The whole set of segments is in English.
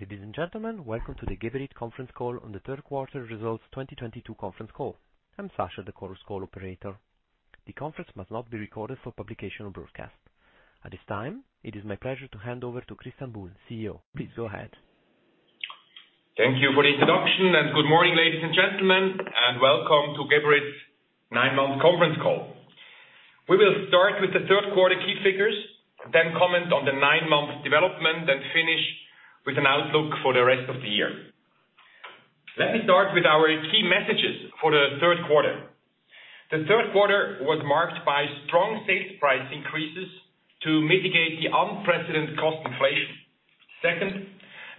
Ladies and gentlemen, welcome to the Geberit conference call on the Third Quarter Results 2022 Conference Call. I'm Sasha, the Chorus Call operator. The conference must not be recorded for publication or broadcast. At this time, it is my pleasure to hand over to Christian Buhl, CEO. Please go ahead. Thank you for the introduction, and good morning, ladies and gentlemen, and welcome to Geberit's Nine-Month Conference Call. We will start with the third quarter key figures, then comment on the nine-month development, then finish with an outlook for the rest of the year. Let me start with our key messages for the third quarter. The third quarter was marked by strong sales price increases to mitigate the unprecedented cost inflation. Second,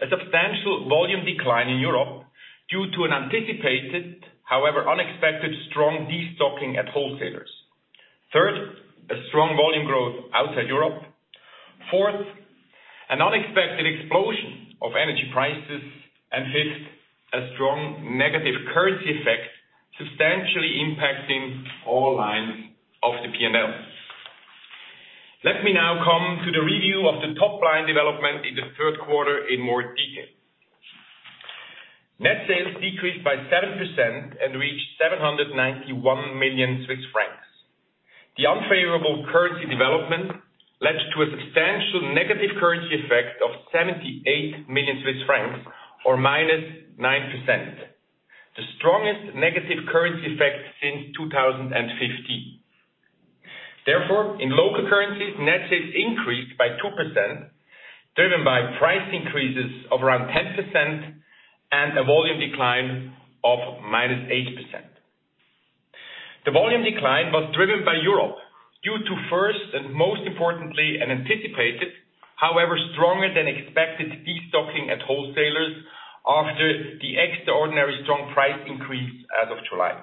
a substantial volume decline in Europe due to an anticipated, however unexpected, strong destocking at wholesalers. Third, a strong volume growth outside Europe. Fourth, an unexpected explosion of energy prices. And fifth, a strong negative currency effect, substantially impacting all lines of the P&L. Let me now come to the review of the top line development in the third quarter in more detail. Net sales decreased by 7% and reached 791 million Swiss francs. The unfavorable currency development led to a substantial negative currency effect of 78 million Swiss francs or -9%, the strongest negative currency effect since 2015. Therefore, in local currencies, net sales increased by 2%, driven by price increases of around 10% and a volume decline of -8%. The volume decline was driven by Europe due to first and most importantly, an anticipated, however, stronger than expected destocking at wholesalers after the extraordinary strong price increase as of July.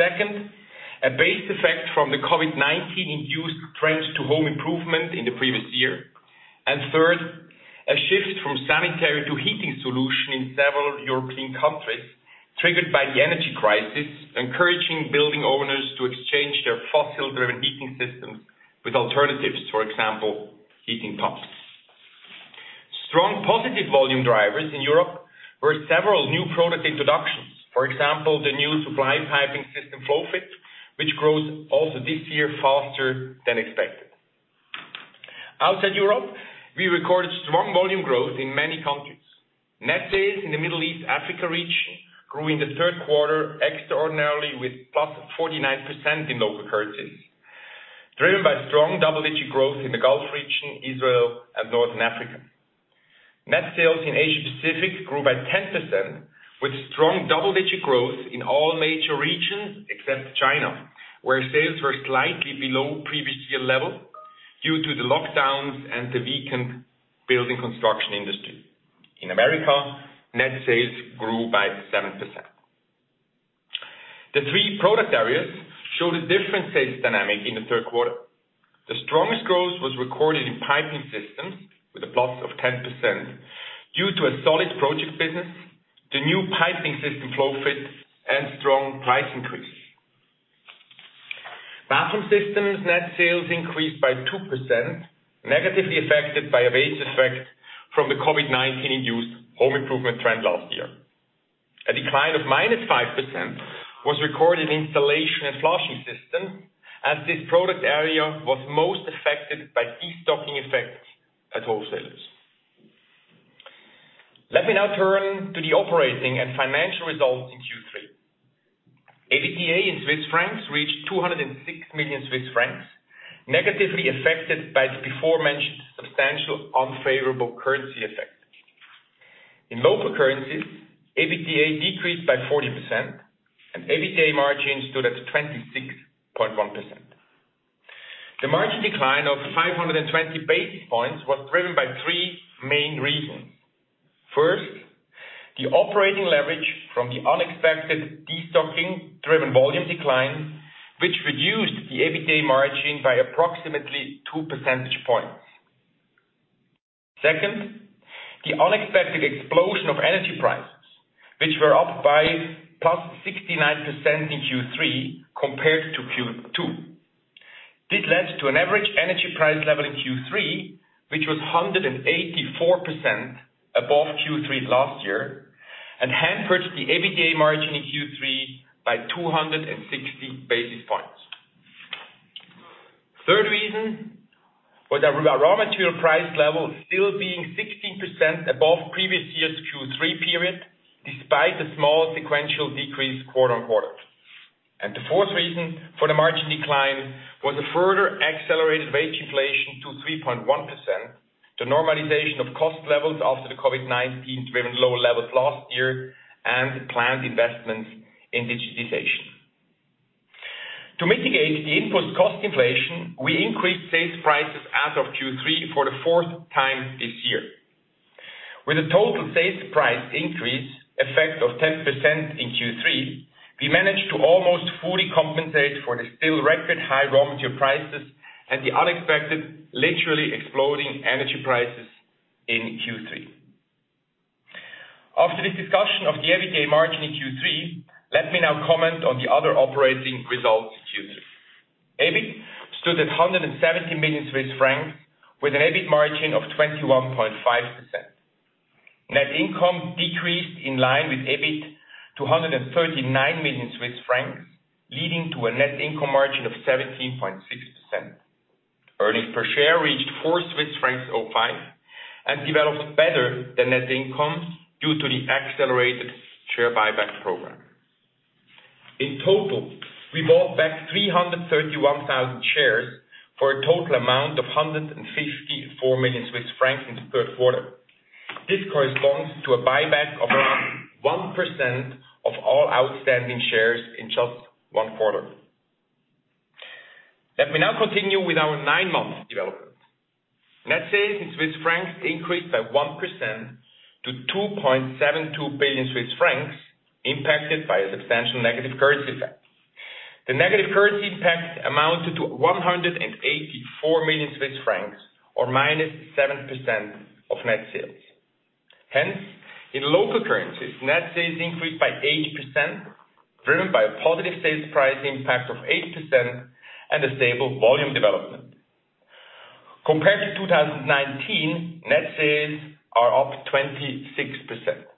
Second, a base effect from the COVID-19 induced trend to home improvement in the previous year. Third, a shift from sanitary to heating solution in several European countries, triggered by the energy crisis, encouraging building owners to exchange their fossil-driven heating systems with alternatives, for example, heat pumps. Strong positive volume drivers in Europe were several new product introductions. For example, the new supply piping system FlowFit, which grows also this year faster than expected. Outside Europe, we recorded strong volume growth in many countries. Net sales in the Middle East, Africa region grew in the third quarter extraordinarily with +49% in local currencies, driven by strong double-digit growth in the Gulf region, Israel and Northern Africa. Net sales in Asia Pacific grew by 10%, with strong double-digit growth in all major regions except China, where sales were slightly below previous year level due to the lockdowns and the weakened Building Construction industry. In America, net sales grew by 7%. The three product areas showed a different sales dynamic in the third quarter. The strongest growth was recorded in piping systems with a +10% due to a solid project business, the new piping system FlowFit and strong price increase. Bathroom Systems net sales increased by 2%, negatively affected by a base effect from the COVID-19 induced home improvement trend last year. A decline of -5% was recorded in installation and flushing system, as this product area was most affected by destocking effects at wholesalers. Let me now turn to the operating and financial results in Q3. EBITDA in Swiss francs reached 206 million Swiss francs, negatively affected by the aforementioned substantial unfavorable currency effect. In local currencies, EBITDA decreased by 40% and EBITDA margin stood at 26.1%. The margin decline of 520 basis points was driven by three main reasons. First, the operating leverage from the unexpected destocking driven volume decline, which reduced the EBITDA margin by approximately 2 percentage points. Second, the unexpected explosion of energy prices, which were up by +69% in Q3 compared to Q2. This led to an average energy price level in Q3, which was 184% above Q3 last year and hampered the EBITDA margin in Q3 by 260 basis points. Third reason was the raw material price level still being 16% above previous year's Q3 period, despite the small sequential decrease quarter-over-quarter. The fourth reason for the margin decline was a further accelerated wage inflation to 3.1%, the normalization of cost levels after the COVID-19 driven low levels last year and planned investments in digitization. To mitigate the input cost inflation, we increased sales prices as of Q3 for the fourth time this year. With a total sales price increase effect of 10% in Q3, we managed to almost fully compensate for the still record high raw material prices and the unexpected, literally exploding energy prices in Q3. After this discussion of the EBITDA margin in Q3, let me now comment on the other operating results Q3. EBIT stood at 170 million Swiss francs, with an EBIT margin of 21.5%. Net income decreased in line with EBIT to 139 million Swiss francs, leading to a net income margin of 17.6%. Earnings per share reached 4.05 Swiss francs, and developed better than net income due to the accelerated share buyback program. In total, we bought back 331,000 shares for a total amount of 154 million Swiss francs in the third quarter. This corresponds to a buyback of around 1% of all outstanding shares in just one quarter. Let me now continue with our nine-month development. Net sales in Swiss francs increased by 1% to 2.72 billion Swiss francs, impacted by a substantial negative currency effect. The negative currency impact amounted to 184 million Swiss francs, or minus 7% of net sales. Hence, in local currencies, net sales increased by 8%, driven by a positive sales price impact of 8% and a stable volume development. Compared to 2019, net sales are up 26%.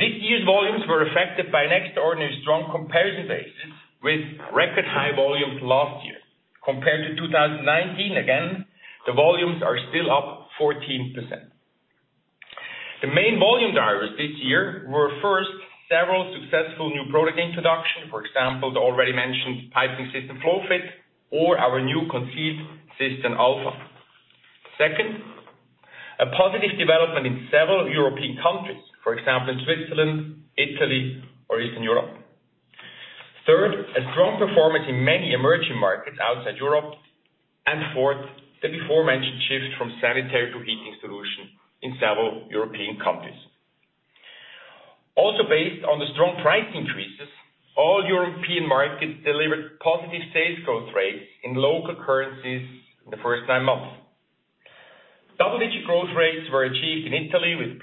This year's volumes were affected by an extraordinarily strong comparison basis with record high volumes last year. Compared to 2019, again, the volumes are still up 14%. The main volume drivers this year were, first, several successful new product introduction. For example, the already mentioned piping system FlowFit or our new concealed system Alpha. Second, a positive development in several European countries, for example, in Switzerland, Italy, or Eastern Europe. Third, a strong performance in many emerging markets outside Europe. Fourth, the aforementioned shift from sanitary to heating solution in several European countries. Also, based on the strong price increases, all European markets delivered positive sales growth rates in local currencies in the first nine months. Double-digit growth rates were achieved in Italy with +17%,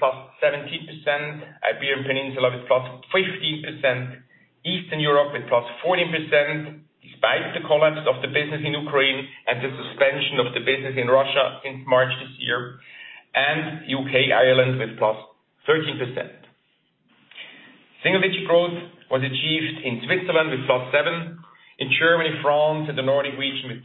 Iberian Peninsula with +15%, Eastern Europe with +14%, despite the collapse of the business in Ukraine and the suspension of the business in Russia since March this year, and U.K., Ireland with +13%. Single-digit growth was achieved in Switzerland with +7%, in Germany, France, and the Nordic region with +6%,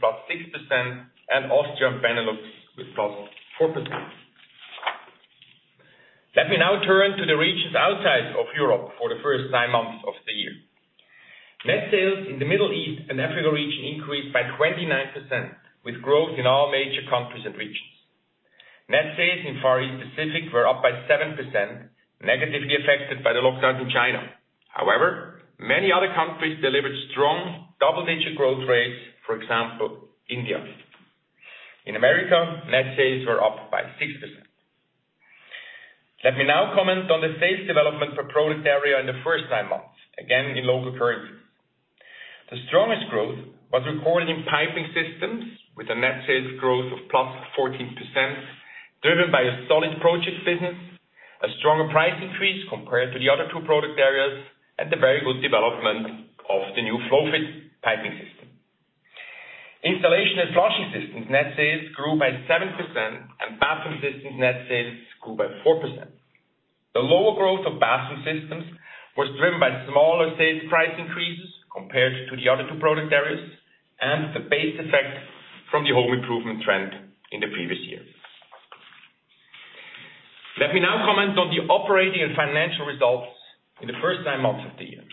and Austria and Benelux with +4%. Let me now turn to the regions outside of Europe for the first nine months of the year. Net sales in the Middle East and Africa region increased by 29% with growth in all major countries and regions. Net sales in Far East Pacific were up by 7%, negatively affected by the lockdown in China. However, many other countries delivered strong double-digit growth rates, for example, India. In America, net sales were up by 6%. Let me now comment on the sales development per product area in the first nine months, again, in local currency. The strongest growth was recorded in Piping Systems with a net sales growth of +14%, driven by a solid project business, a stronger price increase compared to the other two product areas, and the very good development of the new FlowFit piping system. Installation and Flushing Systems net sales grew by 7%, and Bathroom Systems net sales grew by 4%. The lower growth of Bathroom Systems was driven by smaller sales price increases compared to the other two product areas and the base effect from the home improvement trend in the previous year. Let me now comment on the operating and financial results in the first nine months of the year.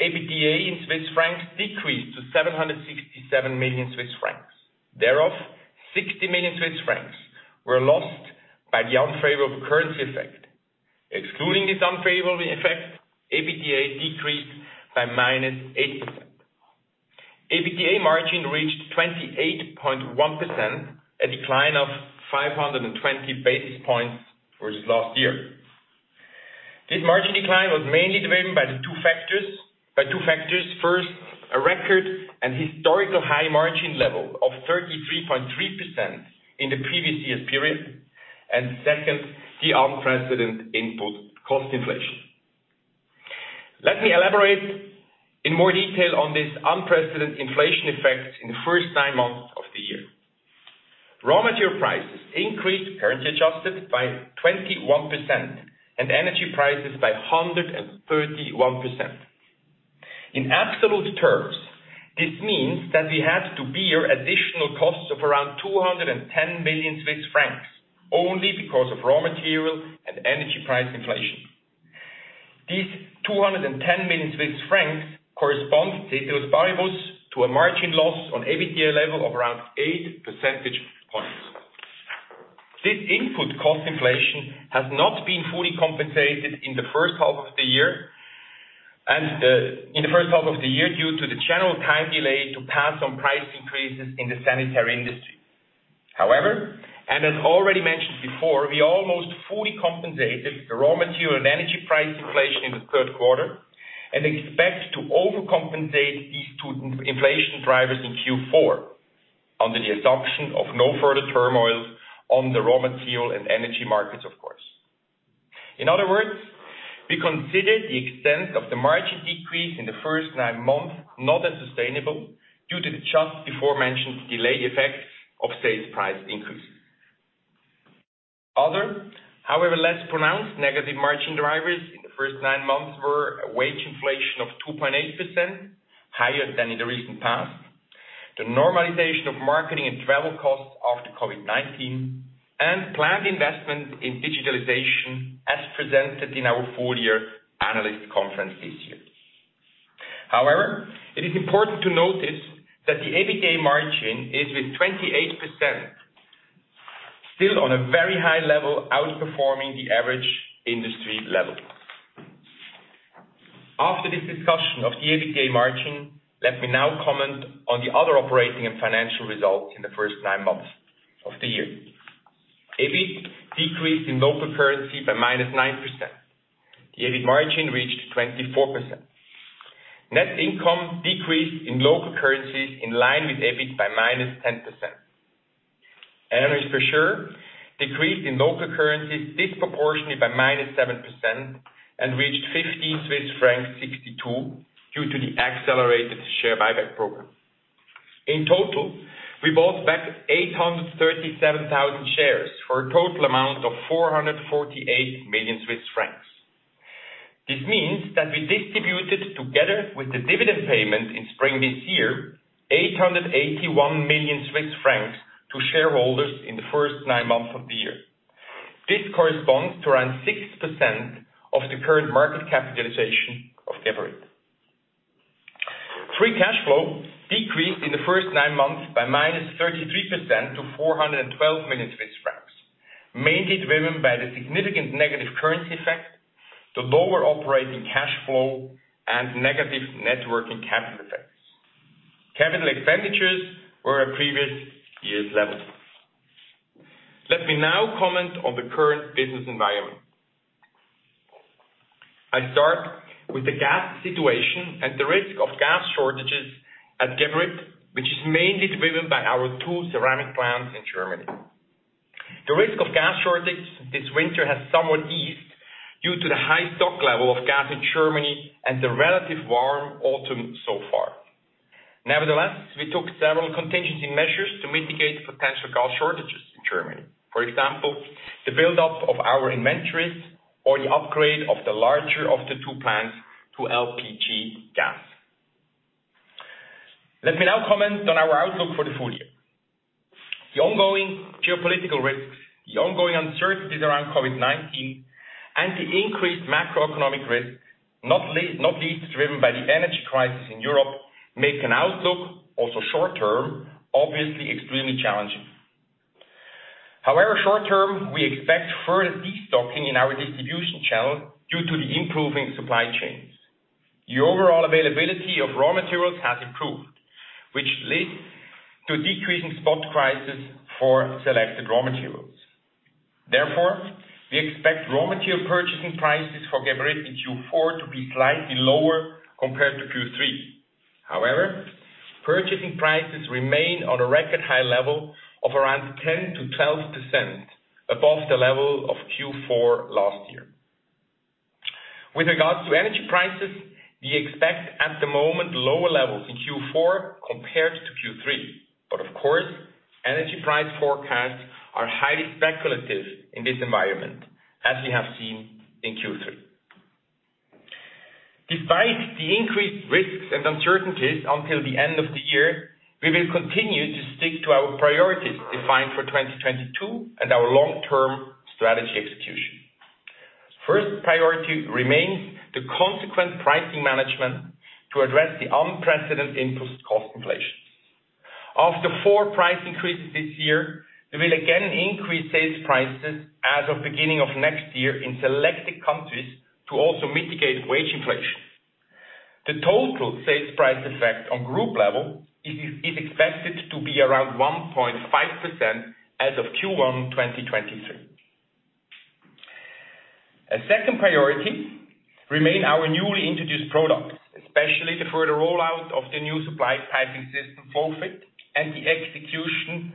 EBITDA in Swiss francs decreased to 767 million Swiss francs. Thereof, 60 million Swiss francs were lost by the unfavorable currency effect. Excluding this unfavorable effect, EBITDA decreased by -8%. EBITDA margin reached 28.1%, a decline of 520 basis points versus last year. This margin decline was mainly driven by two factors. First, a record and historical high-margin level of 33.3% in the previous year's period. Second, the unprecedented input cost inflation. Let me elaborate in more detail on this unprecedented inflation effect in the first nine months of the year. Raw material prices increased, currency adjusted, by 21% and energy prices by 131%. In absolute terms, this means that we had to bear additional costs of around 210 million Swiss francs, only because of raw material and energy price inflation. These 210 million Swiss francs correspond, ceteris paribus, to a margin loss on EBITDA level of around 8 percentage points. This input cost inflation has not been fully compensated in the first half of the year, due to the general time delay to pass on price increases in the Sanitary industry. However, as already mentioned before, we almost fully compensated the raw material and energy price inflation in the third quarter and expect to overcompensate these two inflation drivers in Q4. Under the assumption of no further turmoil on the raw material and energy markets, of course. In other words, we consider the extent of the margin decrease in the first nine months not as sustainable due to the just before mentioned delay effects of sales price increases. Other, however less pronounced, negative margin drivers in the first nine months were a wage inflation of 2.8%, higher than in the recent past, the normalization of marketing and travel costs after COVID-19, and planned investment in digitalization as presented in our full year analyst conference this year. However, it is important to notice that the EBITDA margin is, with 28%, still on a very high level, outperforming the average industry level. After this discussion of the EBITDA margin, let me now comment on the other operating and financial results in the first nine months of the year. EBIT decreased in local currency by -9%. The EBIT margin reached 24%. Net income decreased in local currencies in line with EBIT by -10%. Earnings per share decreased in local currencies disproportionately by -7% and reached 50.62 Swiss francs due to the accelerated share buyback program. In total, we bought back 837,000 shares for a total amount of 448 million Swiss francs. This means that we distributed, together with the dividend payment in spring this year, 881 million Swiss francs to shareholders in the first nine months of the year. This corresponds to around 6% of the current market capitalization of Geberit. Free cash flow decreased in the first nine months by -33% to 412 million Swiss francs, mainly driven by the significant negative currency effect, the lower operating cash flow, and negative net working capital effects. Capital expenditures were at previous year's level. Let me now comment on the current business environment. I start with the gas situation and the risk of gas shortages at Geberit, which is mainly driven by our two ceramic plants in Germany. The risk of gas shortage this winter has somewhat eased due to the high stock level of gas in Germany and the relatively warm autumn so far. Nevertheless, we took several contingency measures to mitigate potential gas shortages in Germany. For example, the buildup of our inventories or the upgrade of the larger of the two plants to LPG gas. Let me now comment on our outlook for the full year. The ongoing geopolitical risks, the ongoing uncertainties around COVID-19, and the increased macroeconomic risk, not least driven by the energy crisis in Europe, make an outlook, also short term, obviously extremely challenging. However, short term, we expect further destocking in our distribution channel due to the improving supply chains. The overall availability of raw materials has improved, which leads to decreasing spot prices for selected raw materials. Therefore, we expect raw material purchasing prices for Geberit in Q4 to be slightly lower compared to Q3. However, purchasing prices remain on a record high level of around 10%-12% above the level of Q4 last year. With regards to energy prices, we expect at the moment lower levels in Q4 compared to Q3, but of course, energy price forecasts are highly speculative in this environment, as we have seen in Q3. Despite the increased risks and uncertainties until the end of the year, we will continue to stick to our priorities defined for 2022 and our long-term strategy execution. First priority remains the consequent pricing management to address the unprecedented input cost inflation. After four price increases this year, we will again increase sales prices as of beginning of next year in selected countries to also mitigate wage inflation. The total sales price effect on group level is expected to be around 1.5% as of Q1 2023. A second priority remain our newly introduced products, especially the further rollout of the new supply piping system, FlowFit, and the execution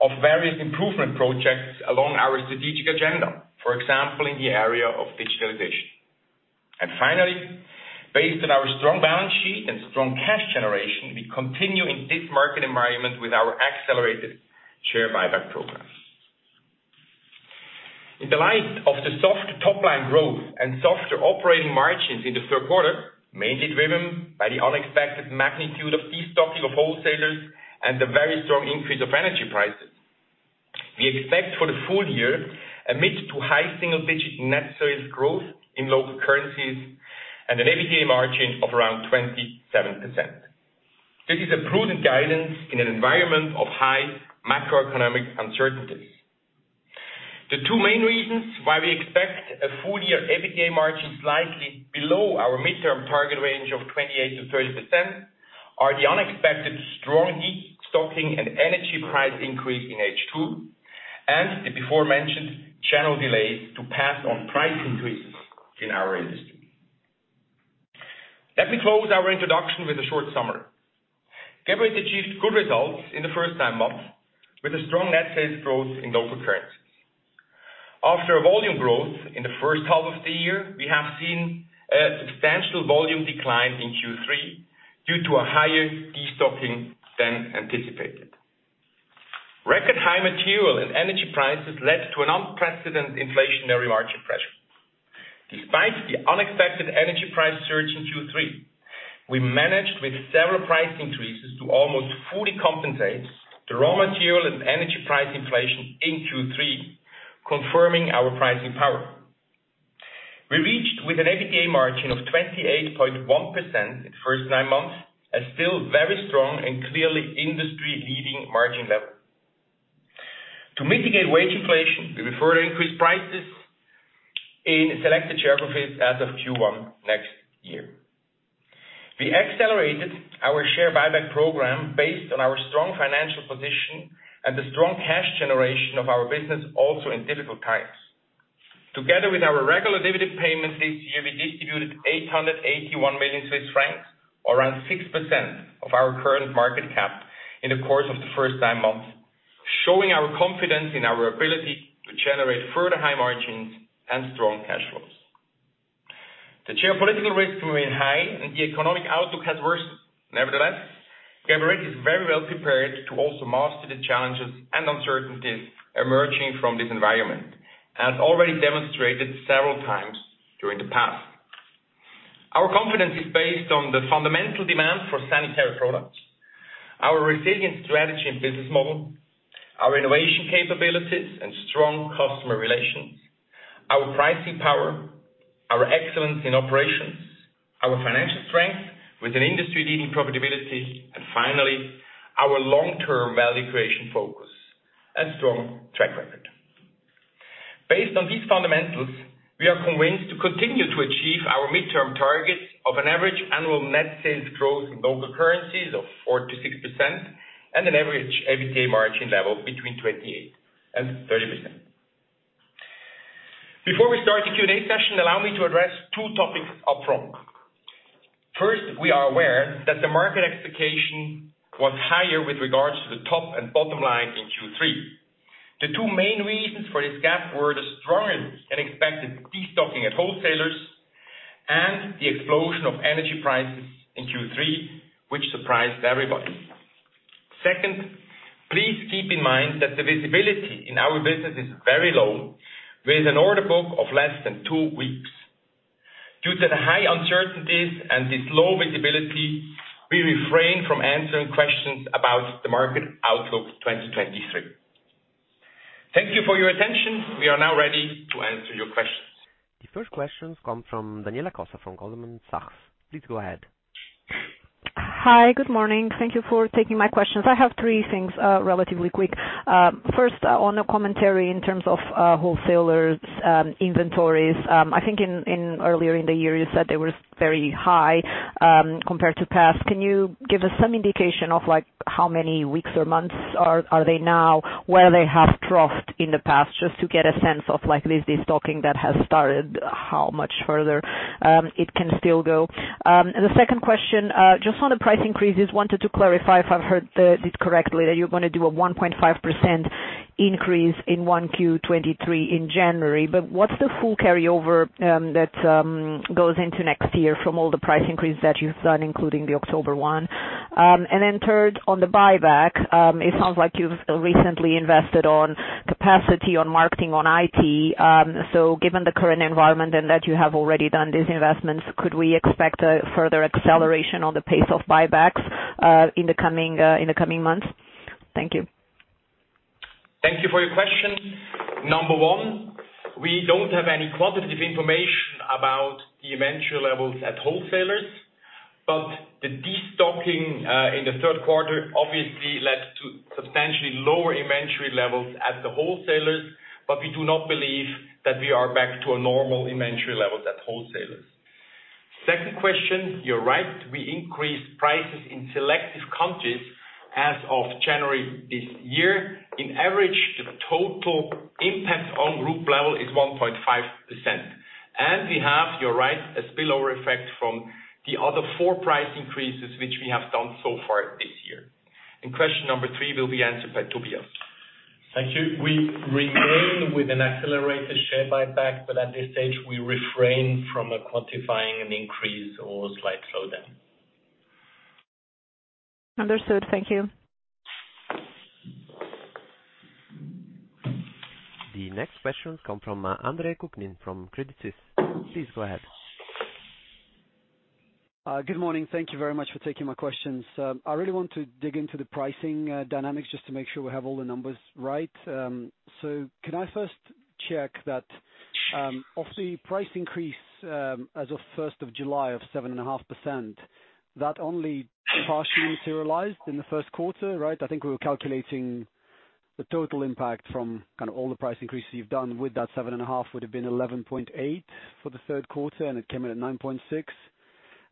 of various improvement projects along our strategic agenda, for example, in the area of digitalization. Finally, based on our strong balance sheet and strong cash generation, we continue in this market environment with our accelerated share buyback program. In the light of the soft top-line growth and softer operating margins in the third quarter, mainly driven by the unexpected magnitude of destocking of wholesalers and the very strong increase of energy prices, we expect for the full year a mid- to high-single-digit net sales growth in local currencies and an EBITDA margin of around 27%. This is a prudent guidance in an environment of high macroeconomic uncertainties. The two main reasons why we expect a full year EBITDA margin slightly below our midterm target range of 28%-30% are the unexpected strong destocking and energy price increase in H2, and the before mentioned channel delays to pass on price increases in our industry. Let me close our introduction with a short summary. Geberit achieved good results in the first nine months with a strong net sales growth in local currency. After a volume growth in the first half of the year, we have seen a substantial volume decline in Q3 due to a higher destocking than anticipated. Record high material and energy prices led to an unprecedented inflationary margin pressure. Despite the unexpected energy price surge in Q3, we managed with several price increases to almost fully compensate the raw material and energy price inflation in Q3, confirming our pricing power. We reached with an EBITDA margin of 28.1% the first nine months, a still very strong and clearly industry-leading margin level. To mitigate wage inflation, we will further increase prices in selected geographies as of Q1 next year. We accelerated our share buyback program based on our strong financial position and the strong cash generation of our business also in difficult times. Together with our regular dividend payments this year, we distributed 881 million Swiss francs, around 6% of our current market cap in the course of the first nine months, showing our confidence in our ability to generate further high margins and strong cash flows. The geopolitical risks remain high, and the economic outlook has worsened. Nevertheless, Geberit is very well prepared to also master the challenges and uncertainties emerging from this environment, as already demonstrated several times during the past. Our confidence is based on the fundamental demand for Sanitary products, our resilient strategy and business model, our innovation capabilities and strong customer relations, our pricing power, our excellence in operations, our financial strength with an industry-leading profitability, and finally, our long-term value creation focus and strong track record. Based on these fundamentals, we are convinced to continue to achieve our midterm targets of an average annual net sales growth in local currencies of 4%-6% and an average EBITDA margin level between 28%-30%. Before we start the Q&A session, allow me to address two topics upfront. First, we are aware that the market expectation was higher with regards to the top and bottom line in Q3. The two main reasons for this gap were the stronger than expected destocking at wholesalers and the explosion of energy prices in Q3, which surprised everybody. Second, please keep in mind that the visibility in our business is very low with an order book of less than two weeks. Due to the high uncertainties and this low visibility, we refrain from answering questions about the market outlook 2023. Thank you for your attention. We are now ready to answer your questions. The first question comes from Daniela Costa from Goldman Sachs. Please go ahead. Hi. Good morning. Thank you for taking my questions. I have three things, relatively quick. First, on a commentary in terms of wholesalers, inventories. I think earlier in the year, you said they were very high, compared to past. Can you give us some indication of, like, how many weeks or months are they now, where they have dropped in the past, just to get a sense of, like, this destocking that has started, how much further it can still go? The second question, just on the price increases, wanted to clarify if I've heard this correctly, that you're gonna do a 1.5% increase in 1Q 2023 in January. What's the full carryover that goes into next year from all the price increases that you've done, including the October one? Third, on the buyback, it sounds like you've recently invested on capacity on marketing on IT. Given the current environment and that you have already done these investments, could we expect a further acceleration on the pace of buybacks in the coming months? Thank you. Thank you for your question. Number one, we don't have any quantitative information about the inventory levels at wholesalers, but the destocking in the third quarter obviously led to substantially lower inventory levels at the wholesalers. We do not believe that we are back to a normal inventory level at wholesalers. Second question, you're right. We increased prices in selective countries as of January this year. On average, the total impact on group level is 1.5%. We have, you're right, a spillover effect from the other four price increases, which we have done so far this year. Question number three will be answered by Tobias. Thank you. We retain with an accelerated share buyback, but at this stage, we refrain from quantifying an increase or a slight slowdown. Understood. Thank you. The next question comes from Andrey Kukhnin from Credit Suisse. Please go ahead. Good morning. Thank you very much for taking my questions. I really want to dig into the pricing dynamics just to make sure we have all the numbers right. Can I first check that, of the price increase, as of first of July of 7.5%, that only partially materialized in the first quarter, right? I think we were calculating the total impact from kind of all the price increases you've done with that seven and a half would have been 11.8% for the third quarter, and it came in at 9.6%.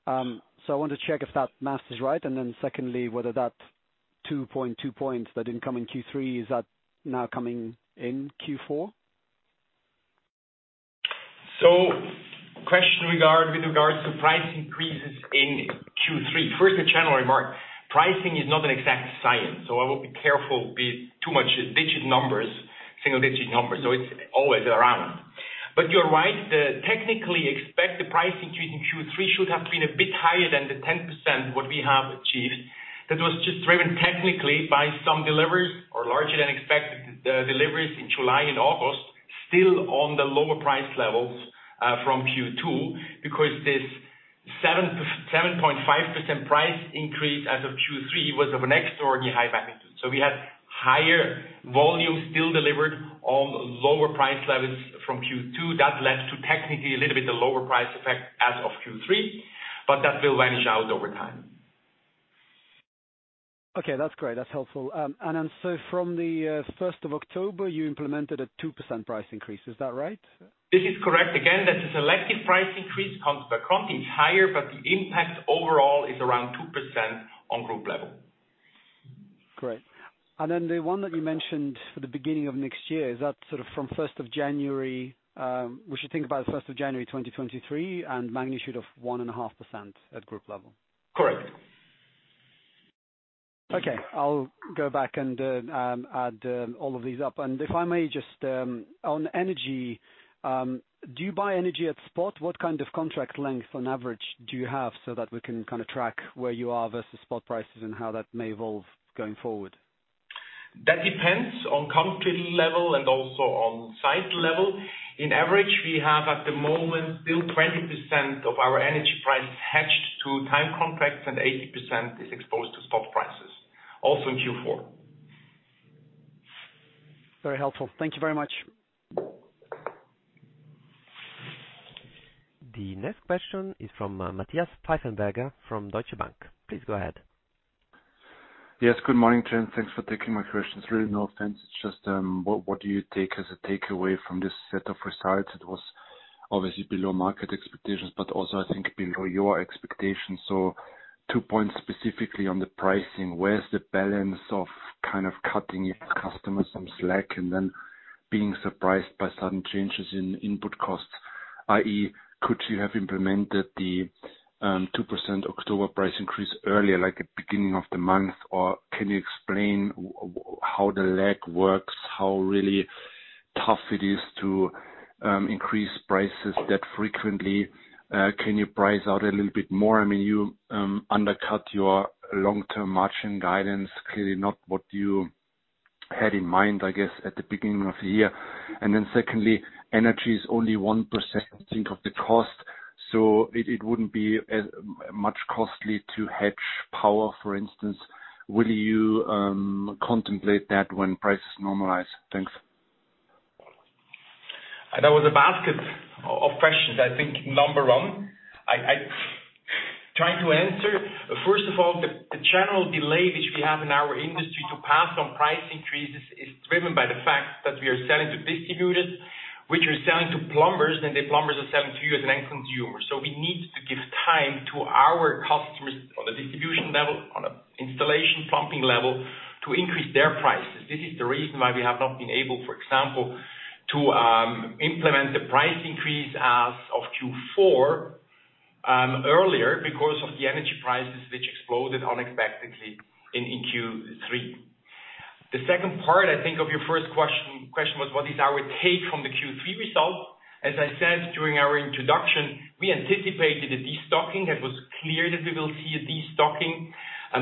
I want to check if that math is right. Secondly, whether that 2.2 points that didn't come in Q3, is that now coming in Q4? With regards to price increases in Q3. First, a general remark. Pricing is not an exact science, so I will be careful with too many digits, single-digit numbers. It's always around. But you're right. The technically expected price increase in Q3 should have been a bit higher than the 10% that we have achieved. That was just driven technically by some deliveries or larger than expected deliveries in July and August, still on the lower price levels from Q2, because this 7.5% price increase as of Q3 was of an extraordinarily high magnitude. We had higher volume still delivered on lower price levels from Q2. That led to technically a little bit lower price effect as of Q3, but that will wash out over time. Okay, that's great. That's helpful. From the first of October, you implemented a 2% price increase. Is that right? This is correct. Again, that's a selective price increase country by country. It's higher, but the impact overall is around 2% on group level. Great. Then the one that you mentioned for the beginning of next year, is that sort of from first of January, we should think about the first of January 2023 and magnitude of 1.5% at group level? Correct. Okay, I'll go back and add all of these up. If I may just on energy, do you buy energy at spot? What kind of contract length on average do you have so that we can kinda track where you are versus spot prices and how that may evolve going forward? That depends on country level and also on site level. On average, we have at the moment, still 20% of our energy price hedged to term contracts and 80% is exposed to spot prices, also in Q4. Very helpful. Thank you very much. The next question is from Matthias Pfeifenberger from Deutsche Bank. Please go ahead. Yes, good morning, Christian. Thanks for taking my questions. Really, no offense. It's just what do you take as a takeaway from this set of results? It was obviously below market expectations, but also I think below your expectations. Two points specifically on the pricing. Where's the balance of kind of cutting your customers some slack and then being surprised by sudden changes in input costs, i.e., could you have implemented the 2% October price increase earlier, like at beginning of the month? Or can you explain how the lag works, how really tough it is to increase prices that frequently? Can you price out a little bit more? I mean, you undercut your long-term margin guidance. Clearly not what you had in mind, I guess, at the beginning of the year. Secondly, energy is only 1%, I think, of the cost, so it wouldn't be as much costly to hedge power, for instance. Will you contemplate that when prices normalize? Thanks. That was a basket of questions. I think number one, I try to answer. First of all, the general delay which we have in our industry to pass on price increases is driven by the fact that we are selling to distributors, which are selling to plumbers, then the plumbers are selling to you as an end consumer. We need to give time to our customers on a distribution level, on a installation plumbing level, to increase their prices. This is the reason why we have not been able, for example, to implement the price increase as of Q4 earlier because of the energy prices which exploded unexpectedly in Q3. The second part, I think, of your first question was what is our take from the Q3 results. As I said during our introduction, we anticipated a destocking. It was clear that we will see a destocking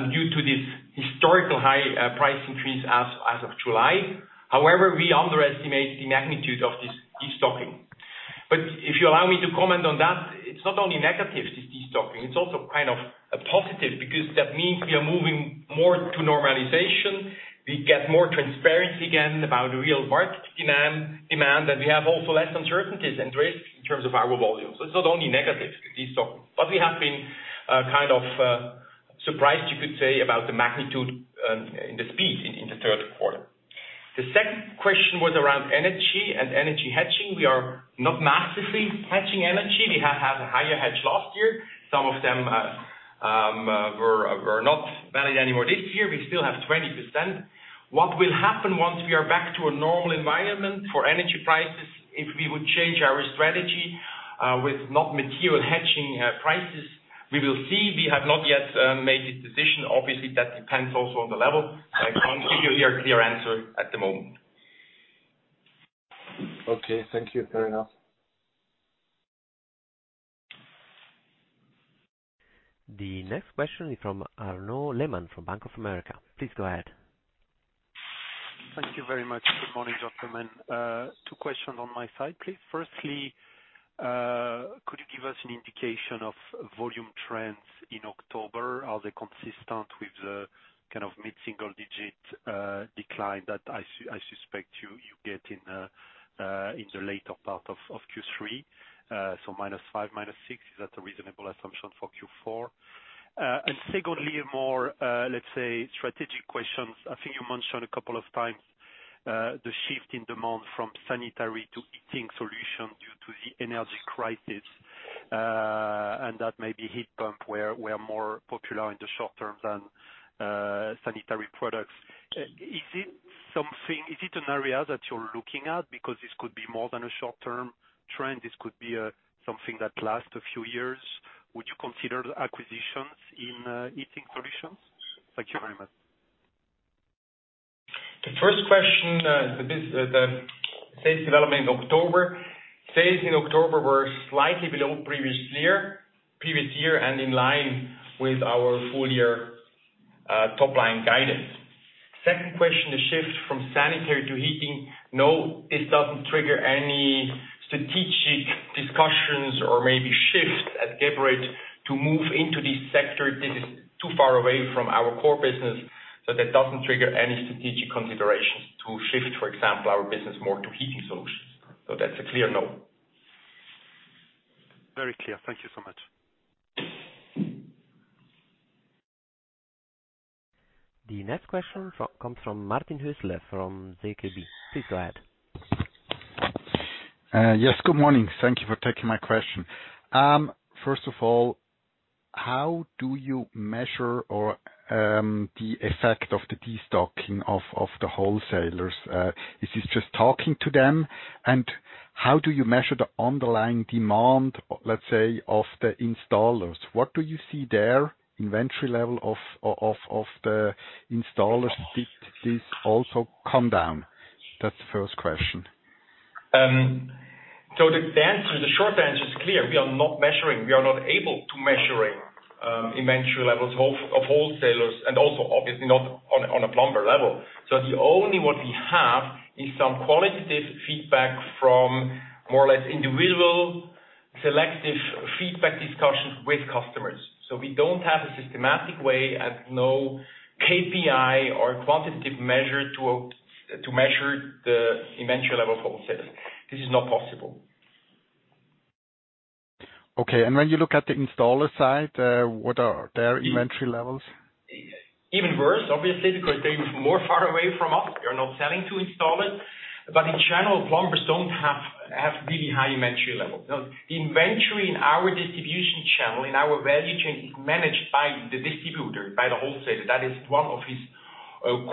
due to this historical high price increase as of July. However, we underestimate the magnitude of this destocking. If you allow me to comment on that, it's not only negative, this destocking, it's also kind of a positive, because that means we are moving more to normalization. We get more transparency again about real market demand, and we have also less uncertainties and risk in terms of our volumes. It's not only negative, the destocking. We have been kind of surprised, you could say, about the magnitude and the speed in the third quarter. The second question was around energy and energy hedging. We are not massively hedging energy. We have had a higher hedge last year. Some of them were not valid anymore this year. We still have 20%. What will happen once we are back to a normal environment for energy prices, if we would change our strategy, with not material hedging, prices? We will see. We have not yet made this decision. Obviously, that depends also on the level. I can't give you here a clear answer at the moment. Okay. Thank you, fair enough. The next question is from Arnaud Lehmann from Bank of America. Please go ahead. Thank you very much. Good morning, gentlemen. Two questions on my side, please. Firstly, could you give us an indication of volume trends in October? Are they consistent with the kind of mid-single-digit decline that I suspect you get in the later part of Q3? So -5%-6%, is that a reasonable assumption for Q4? And secondly, a more, let's say, strategic question. I think you mentioned a couple of times the shift in demand from sanitary to heating solutions due to the energy crisis. And that may be heat pump more popular in the short term than Sanitary products. Is it an area that you're looking at? Because this could be more than a short-term trend, this could be something that lasts a few years. Would you consider acquisitions in heating solutions? Thank you very much. The first question, the sales development in October. Sales in October were slightly below previous year and in line with our full year top line guidance. Second question, the shift from sanitary to heating. No, it doesn't trigger any strategic discussions or maybe shift at Geberit to move into this sector. This is too far away from our core business, so that doesn't trigger any strategic considerations to shift, for example, our business more to heating solutions. That's a clear no. Very clear. Thank you so much. The next question comes from Martin Hüsler from ZKB. Please go ahead. Yes, good morning. Thank you for taking my question. First of all, how do you measure or the effect of the destocking of the wholesalers? Is it just talking to them? How do you measure the underlying demand, let's say, of the installers? What do you see there, inventory level of the installers? Did this also come down? That's the first question. The short answer is clear. We are not able to measure inventory levels of wholesalers, and also obviously not on a plumber level. The only one we have is some qualitative feedback from more or less individual selective feedback discussions with customers. We don't have a systematic way and no KPI or quantitative measure to measure the inventory level of wholesalers. This is not possible. Okay. When you look at the installer side, what are their inventory levels? Even worse, obviously, because they're more far away from us. We are not selling to installers. In general, plumbers don't have really high inventory levels. The inventory in our distribution channel, in our value chain, is managed by the distributor, by the wholesaler. That is one of his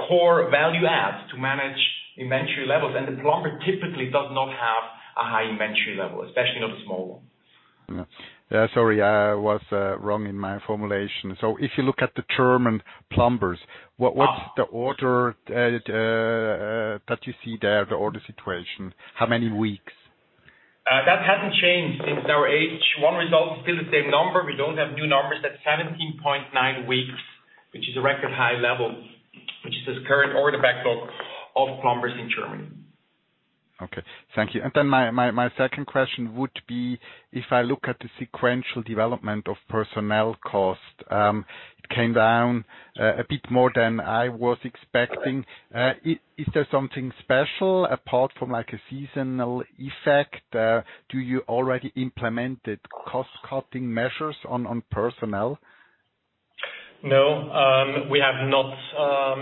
core value adds, to manage inventory levels. The plumber typically does not have a high inventory level, especially not a small one. Yeah. Sorry, I was wrong in my formulation. If you look at the German plumbers, what's the order that you see there, the order situation? How many weeks? That hasn't changed since our H1 results. Still the same number. We don't have new numbers. That 17.9 weeks, which is a record high level, which is the current order backlog of plumbers in Germany. Okay. Thank you. My second question would be, if I look at the sequential development of personnel cost, it came down a bit more than I was expecting. Is there something special apart from like a seasonal effect? Do you already implemented cost-cutting measures on personnel? No. We have not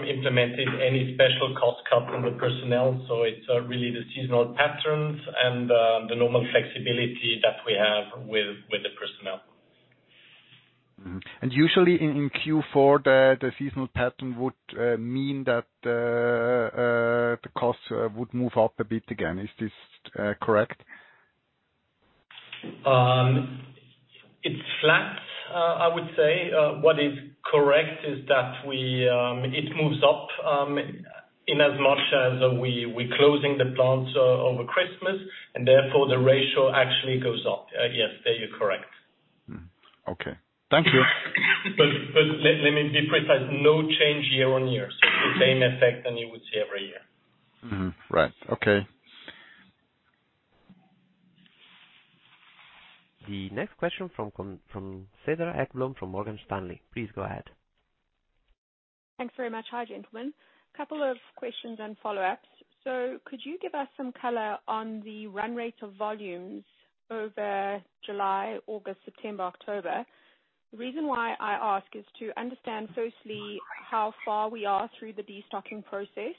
implemented any special cost-cutting with personnel, so it's really the seasonal patterns and the normal flexibility that we have with the personnel. Mm-hmm. Usually in Q4, the seasonal pattern would. The costs would move up a bit again. Is this correct? It's flat, I would say. What is correct is that it moves up in as much as we closing the plants over Christmas, and therefore the ratio actually goes up. Yes, there you're correct. Okay. Thank you. Let me be precise. No change year-on-year. The same effect as you would see every year. Mm-hmm. Right. Okay. The next question from Cedar Ekblom from Morgan Stanley. Please go ahead. Thanks very much. Hi, gentlemen. Couple of questions and follow-ups. Could you give us some color on the run rate of volumes over July, August, September, October? The reason why I ask is to understand firstly how far we are through the destocking process,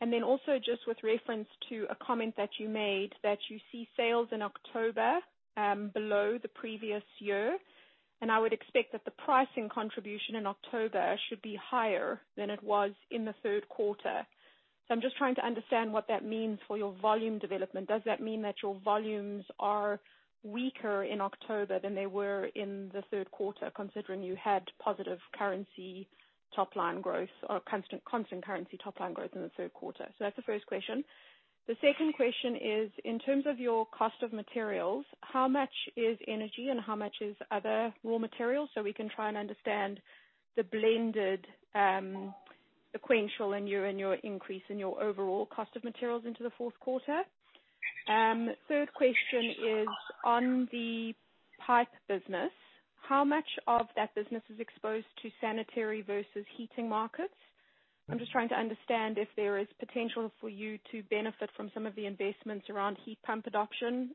and then also just with reference to a comment that you made that you see sales in October, below the previous year. I would expect that the pricing contribution in October should be higher than it was in the third quarter. I'm just trying to understand what that means for your volume development. Does that mean that your volumes are weaker in October than they were in the third quarter, considering you had positive currency top line growth or constant currency top line growth in the third quarter? That's the first question. The second question is, in terms of your cost of materials, how much is energy and how much is other raw materials? We can try and understand the blended, sequential in your increase in your overall cost of materials into the fourth quarter. Third question is on the Pipe business. How much of that business is exposed to sanitary versus heating markets? I'm just trying to understand if there is potential for you to benefit from some of the investments around heat pump adoption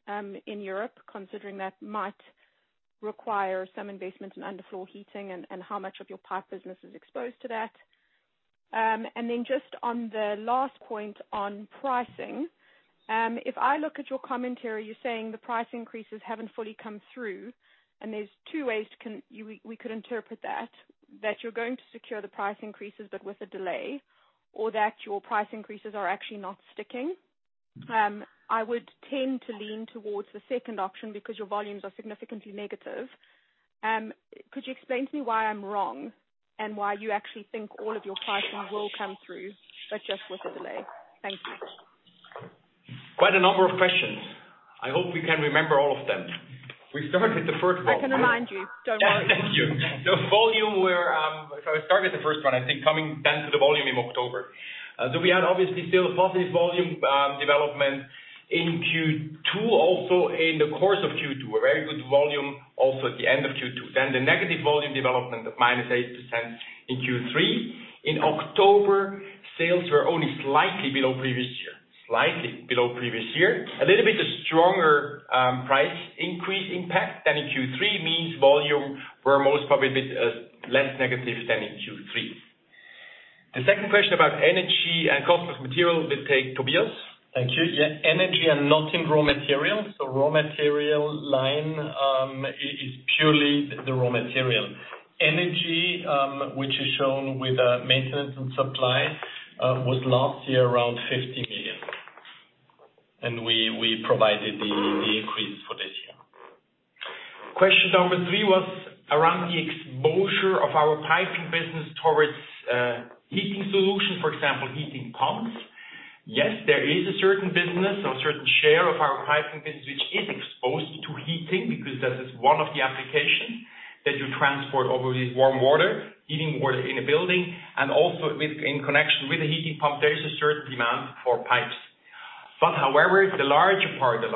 in Europe, considering that might require some investment in underfloor heating, and how much of your Pipe business is exposed to that. Then just on the last point on pricing, if I look at your commentary, you're saying the price increases haven't fully come through, and there's two ways we could interpret that you're going to secure the price increases, but with a delay or that your price increases are actually not sticking. I would tend to lean towards the second option because your volumes are significantly negative. Could you explain to me why I'm wrong and why you actually think all of your pricing will come through, but just with a delay? Thank you. Quite a number of questions. I hope we can remember all of them. We started the first one. I can remind you. Don't worry. Thank you. The volume where, if I started the first one, I think coming then to the volume in October, so we had obviously still a positive volume development in Q2, also in the course of Q2, a very good volume, also at the end of Q2. The negative volume development of -8% in Q3. In October, sales were only slightly below previous year. A little bit stronger price increase impact than in Q3 means volume were most probably a bit less negative than in Q3. The second question about energy and cost of material will take Tobias. Thank you. Yeah. Energy and not in raw materials. Raw material line is purely the raw material. Energy, which is shown with maintenance and supply, was last year around 50 million. We provided the increase for this year. Question number three was around the exposure of our Piping business towards heating solutions, for example, heat pumps. Yes, there is a certain business or a certain share of our Piping business which is exposed to heating because that is one of the applications that you transport obviously warm water, heating water in a building, and also in connection with the heating pump, there is a certain demand for pipes. But however, the larger part of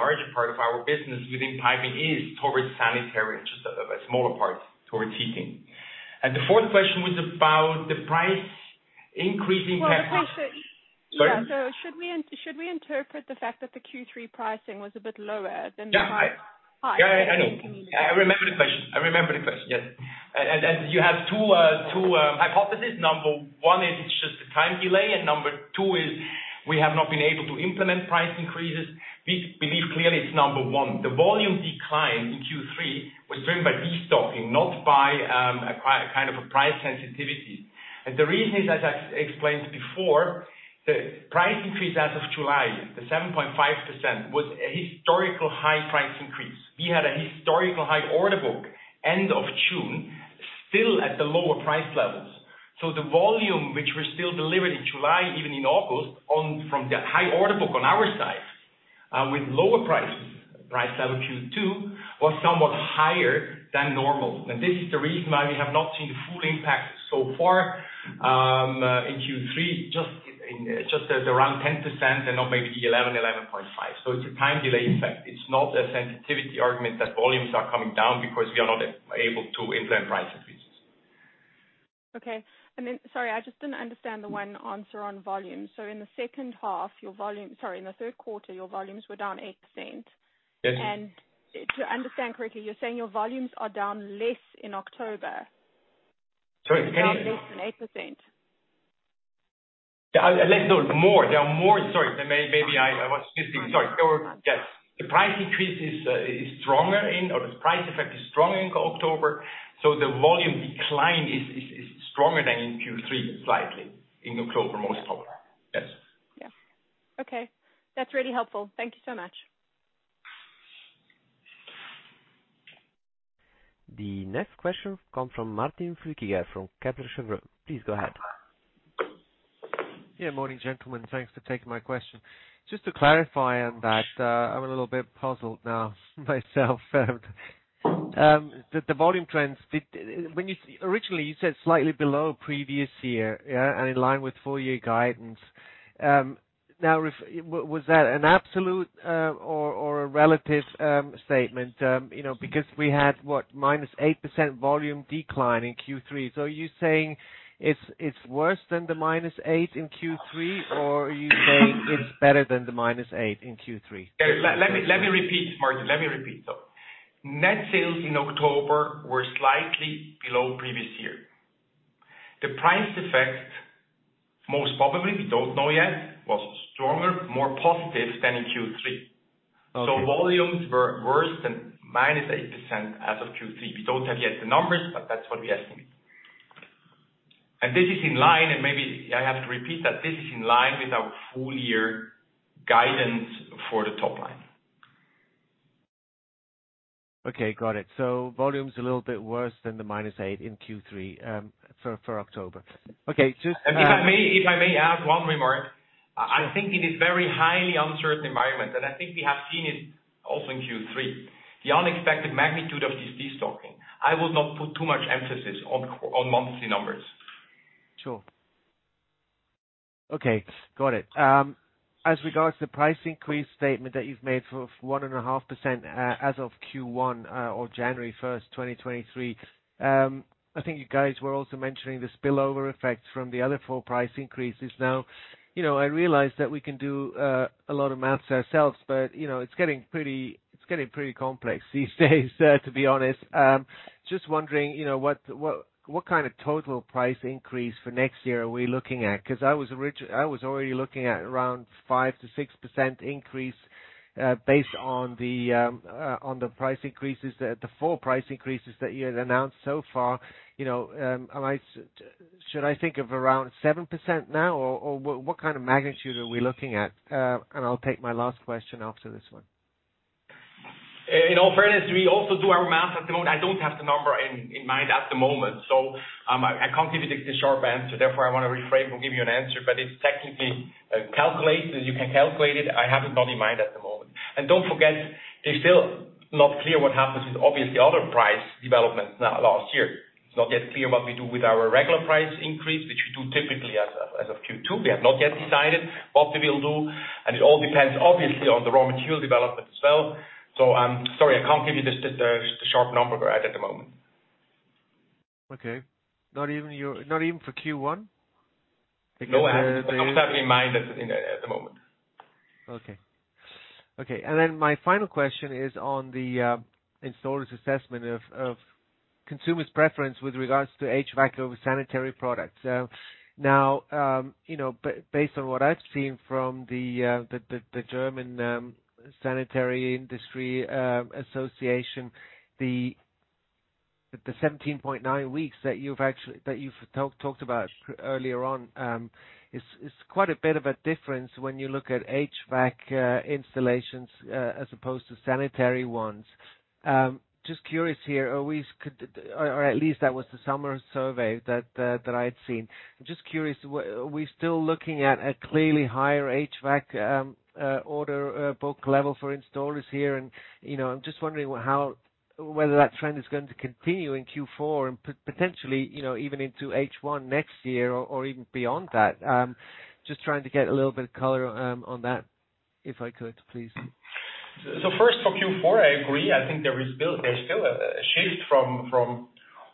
our business within piping is towards sanitary, just a smaller part towards heating. The fourth question was about the price increase impact. Well, the question. Sorry. Yeah. Should we interpret the fact that the Q3 pricing was a bit lower than the? Yeah. Price hike that you communicated? Yeah, I know. I remember the question. Yes. You have two hypotheses. Number one is it's just a time delay, and number two is we have not been able to implement price increases. We believe clearly it's number one. The volume decline in Q3 was driven by destocking, not by kind of a price sensitivity. The reason is, as I explained before, the price increase as of July, the 7.5%, was a historical high price increase. We had a historical high order book end of June, still at the lower price levels. The volume which was still delivered in July, even in August, from the high order book on our side, with lower prices, price level Q2, was somewhat higher than normal. This is the reason why we have not seen the full impact so far, in Q3, just at around 10% and not maybe 11.5. It's a time delay effect. It's not a sensitivity argument that volumes are coming down because we are not able to implement price increases. Okay. Sorry, I just didn't understand the one answer on volume. Sorry, in the third quarter, your volumes were down 8%. Yes. To understand correctly, you're saying your volumes are down less in October. Sorry, explain? Down less than 8%. More. They are more. Sorry. Maybe I was mistaken. Sorry. Yes. The price increase is stronger in October, or the price effect is stronger in October, so the volume decline is stronger than in Q3, slightly, in October most probably. Yes. Yeah. Okay. That's really helpful. Thank you so much. The next question comes from Martin Flueckiger from Kepler Cheuvreux. Please go ahead. Yeah. Morning, gentlemen. Thanks for taking my question. Just to clarify on that, I'm a little bit puzzled now myself. The volume trends when you originally said slightly below previous year, and in line with full year guidance. Now was that an absolute or a relative statement? You know, because we had -8% volume decline in Q3. Are you saying it's worse than the -8% in Q3, or are you saying it's better than the -8% in Q3? Let me repeat, Martin. Net sales in October were slightly below previous year. The price effect, most probably, we don't know yet, was stronger, more positive than in Q3. Okay. Volumes were worse than -8% as of Q3. We don't have yet the numbers, but that's what we estimate. This is in line, and maybe I have to repeat, that this is in line with our full year guidance for the top line. Okay, got it. Volume's a little bit worse than the -8% in Q3 for October. Okay. If I may add one remark. Sure. I think it is very highly uncertain environment, and I think we have seen it also in Q3, the unexpected magnitude of this destocking. I would not put too much emphasis on monthly numbers. Sure. Okay. Got it. As regards the price increase statement that you've made for 1.5% as of Q1, or January 1, 2023, I think you guys were also mentioning the spillover effect from the other four price increases. Now, you know, I realize that we can do a lot of math ourselves, but, you know, it's getting pretty complex these days, to be honest. Just wondering, you know, what kind of total price increase for next year are we looking at? 'Cause I was already looking at around 5%-6% increase, based on the price increases, the full price increases that you had announced so far, you know, Should I think of around 7% now or what kind of magnitude are we looking at? I'll take my last question after this one. In all fairness, we also do our math at the moment. I don't have the number in mind at the moment, so I can't give you the short answer. Therefore, I wanna reframe or give you an answer, but it's technically calculated. You can calculate it. I have it not in mind at the moment. Don't forget, it's still not clear what happens with obviously other price developments now last year. It's not yet clear what we do with our regular price increase, which we do typically as of Q2. We have not yet decided what we will do, and it all depends obviously on the raw material development as well. I'm sorry I can't give you the short number we're at the moment. Okay. Not even for Q1? Because, No one has a concept in mind at the moment. Okay. My final question is on the installers assessment of consumer's preference with regards to HVAC over sanitary products. Now, you know, based on what I've seen from the German Sanitary industry association, the 17.9 weeks that you've talked about earlier on is quite a bit of a difference when you look at HVAC installations as opposed to sanitary ones. Just curious here. At least that was the summer survey that I'd seen. I'm just curious, are we still looking at a clearly higher HVAC order book level for installers here? You know, I'm just wondering whether that trend is going to continue in Q4 and potentially, you know, even into H1 next year or even beyond that. Just trying to get a little bit of color on that, if I could, please? First for Q4, I agree. I think there is still, there's still a shift from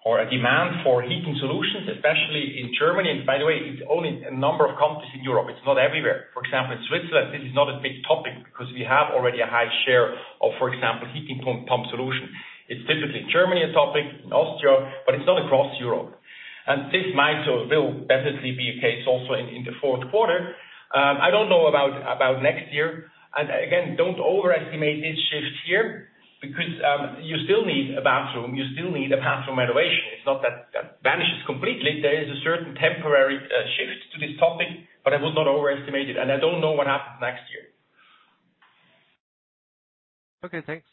or a demand for heating solutions, especially in Germany. By the way, it's only a number of countries in Europe. It's not everywhere. For example, in Switzerland, this is not a big topic because we have already a high share of, for example, heat pump solution. It's typically Germany a topic, in Austria, but it's not across Europe. This might or will definitely be a case also in the fourth quarter. I don't know about next year. Again, don't overestimate this shift here because you still need a bathroom, you still need a bathroom renovation. It's not that that vanishes completely. There is a certain temporary shift to this topic, but I would not overestimate it. I don't know what happens next year. Okay, thanks.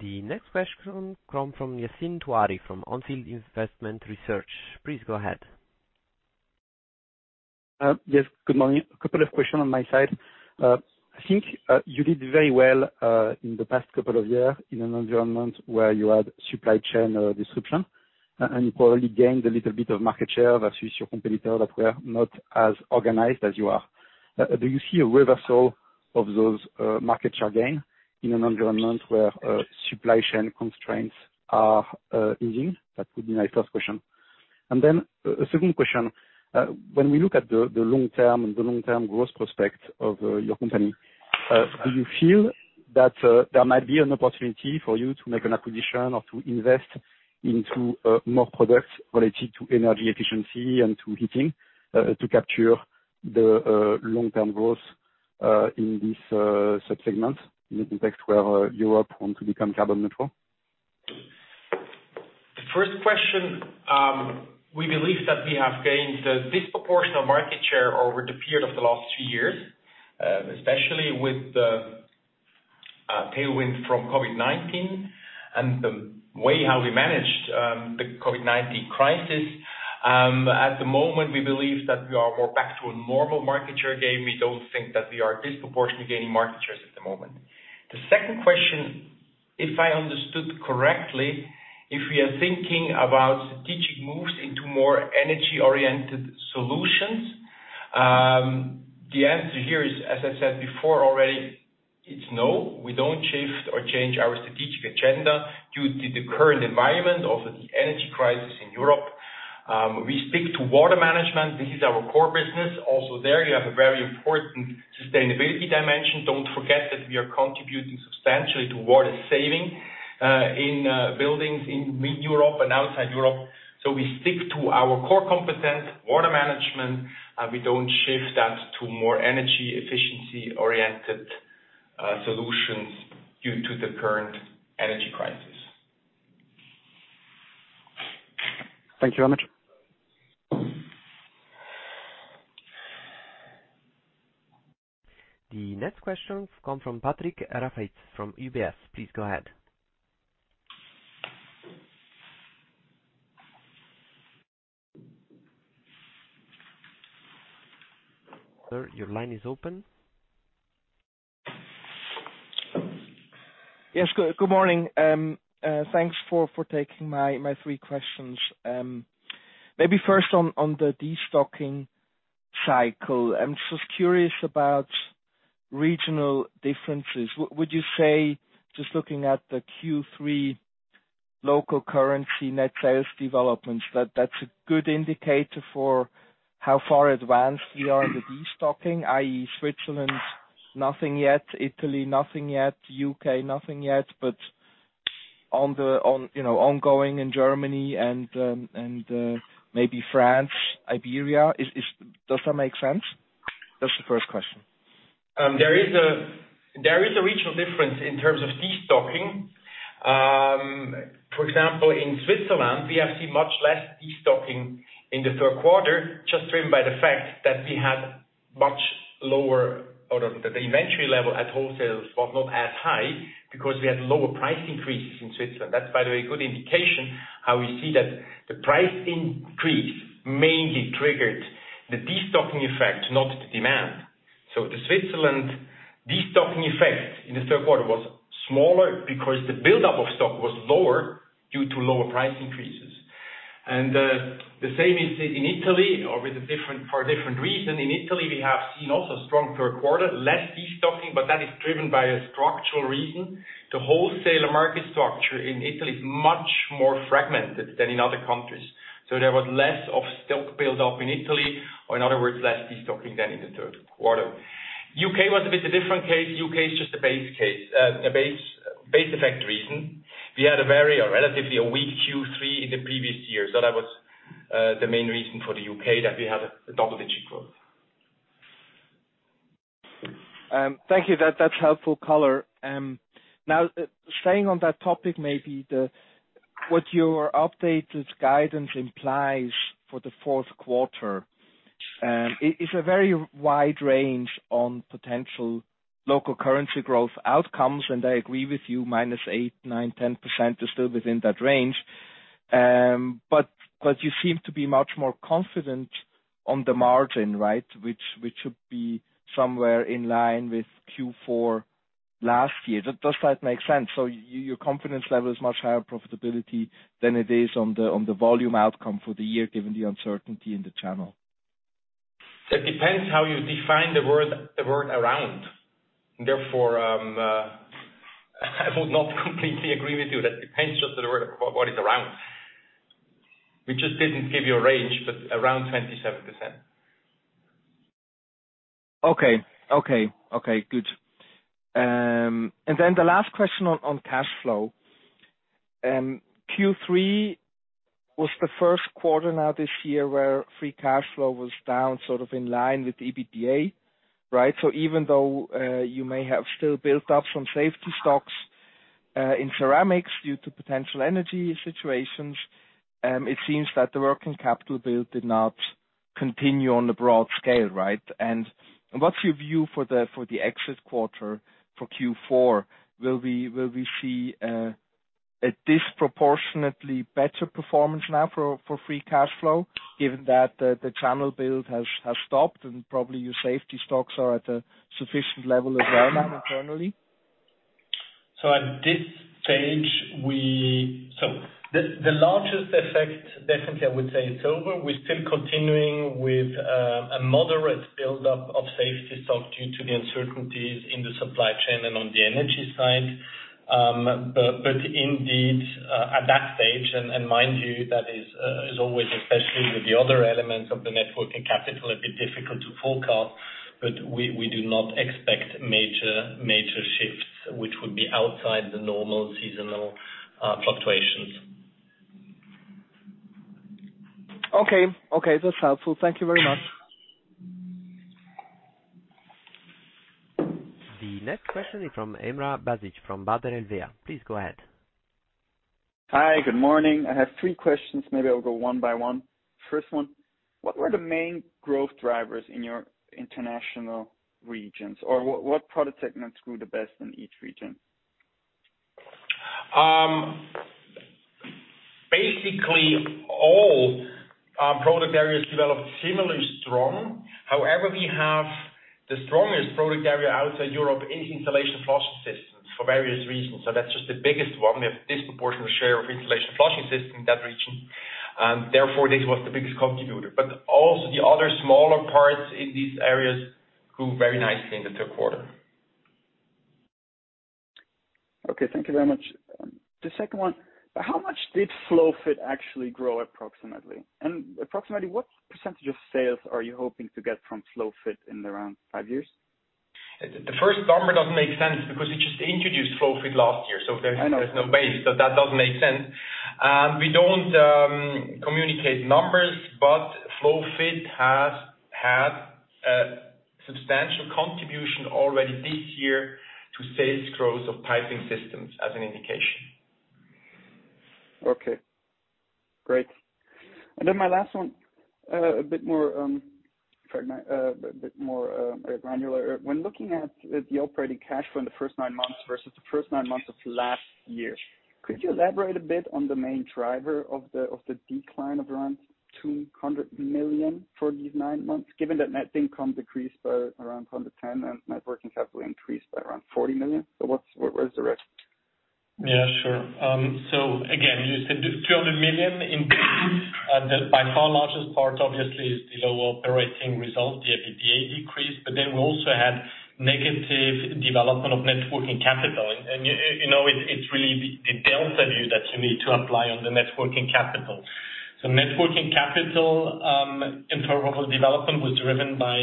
The next question comes from Yassine Touahri from On Field Investment Research. Please go ahead. Yes, good morning. A couple of question on my side. I think, you did very well, in the past couple of years in an environment where you had supply chain, disruption, and you probably gained a little bit of market share versus your competitor that were not as organized as you are. Do you see a reversal of those, market share gain in an environment where, supply chain constraints are, easing? That would be my first question. Then a second question. When we look at the long-term growth prospect of your company, do you feel that there might be an opportunity for you to make an acquisition or to invest into more products related to energy efficiency and to heating to capture the long-term growth in this sub-segment in the context where Europe want to become carbon neutral? The first question, we believe that we have gained a disproportional market share over the period of the last two years, especially with the tailwind from COVID-19 and the way how we managed the COVID-19 crisis. At the moment, we believe that we are more back to a normal market share game. We don't think that we are disproportionately gaining market shares at the moment. The second question, if I understood correctly, if we are thinking about strategic moves into more energy-oriented solutions, the answer here is, as I said before already, it's no, we don't shift or change our strategic agenda due to the current environment of the energy crisis in Europe. We stick to water management. This is our core business. Also there you have a very important sustainability dimension. Don't forget that we are contributing substantially to water saving in buildings in Europe and outside Europe. We stick to our core competence, water management, and we don't shift that to more energy efficiency-oriented solutions due to the current energy crisis. Thank you very much. The next questions come from Patrick Rafaisz from UBS. Please go ahead. Sir, your line is open. Yes. Good morning. Thanks for taking my three questions. Maybe first on the destocking cycle. I'm just curious about regional differences. Would you say just looking at the Q3 local currency net sales developments, that's a good indicator for how far advanced we are in the destocking, i.e., Switzerland, nothing yet, Italy, nothing yet, U.K., nothing yet, but on the, you know, ongoing in Germany and maybe France, Iberia. Does that make sense? That's the first question. There is a regional difference in terms of destocking. For example, in Switzerland, we have seen much less destocking in the third quarter, just driven by the fact that the inventory level at wholesale was not as high because we had lower price increases in Switzerland. That's by the way good indication how we see that the price increase mainly triggered the destocking effect, not the demand. The Switzerland destocking effect in the third quarter was smaller because the buildup of stock was lower due to lower price increases. The same is in Italy for a different reason. In Italy, we have seen also strong third quarter, less destocking, but that is driven by a structural reason. The wholesaler market structure in Italy is much more fragmented than in other countries. There was less of stock buildup in Italy or in other words, less destocking than in the third quarter. U.K. was a bit different case. U.K. is just a base case. A base effect reason. We had a very relatively weak Q3 in the previous year. That was the main reason for the U.K. that we had a double-digit growth. Thank you. That's helpful color. Now, staying on that topic, what your updated guidance implies for the fourth quarter. It is a very wide range on potential local currency growth outcomes, and I agree with you, -8%, 9%, 10% is still within that range. But you seem to be much more confident on the margin, right? Which should be somewhere in line with Q4 last year. Does that make sense? Your confidence level is much higher profitability than it is on the volume outcome for the year, given the uncertainty in the channel. It depends how you define the word around. Therefore, I would not completely agree with you. That depends just on the word what is around. We just didn't give you a range, but around 27%. Okay, good. Then the last question on cash flow. Q3 was the first quarter now this year where free cash flow was down sort of in line with EBITDA, right? Even though you may have still built up some safety stocks in ceramics due to potential energy situations, it seems that the working capital build did not continue on a broad scale, right? What's your view for the exit quarter for Q4? Will we see a disproportionately better performance now for free cash flow, given that the channel build has stopped and probably your safety stocks are at a sufficient level as well now internally? At this stage, the largest effect, definitely I would say it's over. We're still continuing with a moderate buildup of safety stock due to the uncertainties in the supply chain and on the energy side. Indeed at that stage, and mind you, that is always, especially with the other elements of the net working capital, a bit difficult to forecast. We do not expect major shifts which would be outside the normal seasonal fluctuations. Okay. Okay, that's helpful. Thank you very much. The next question is from Emre Bazic, from Safra Sarasin. Please go ahead. Hi, good morning. I have three questions. Maybe I'll go one by one. First one, what were the main growth drivers in your international regions? Or what product segments grew the best in each region? Basically all product areas developed similarly strong. However, we have the strongest product area outside Europe in Installation and Flushing Systems for various reasons. That's just the biggest one. We have a disproportionate share of Installation and Flushing Systems in that region, and therefore, this was the biggest contributor. Also the other smaller parts in these areas grew very nicely in the third quarter. Okay, thank you very much. The second one, how much did FlowFit actually grow approximately? Approximately what percentage of sales are you hoping to get from FlowFit in around five years? The first number doesn't make sense because we just introduced FlowFit last year. I know. There's no base, so that doesn't make sense. We don't communicate numbers, but FlowFit has had a substantial contribution already this year to sales growth of Piping Systems as an indication. Okay. Great. Then my last one, a bit more granular. When looking at the operating cash flow in the first nine months versus the first nine months of last year, could you elaborate a bit on the main driver of the decline of around 200 million for these nine months, given that net income decreased by around 110 million and net working capital increased by around 40 million? Where's the rest? Yeah, sure. Again, you said 200 million. In brief, by far the largest part obviously is the lower operating result, the EBITDA decrease. We also had negative development of net working capital. It's really the delta view that you need to apply on the net working capital. Net working capital in probable development was driven by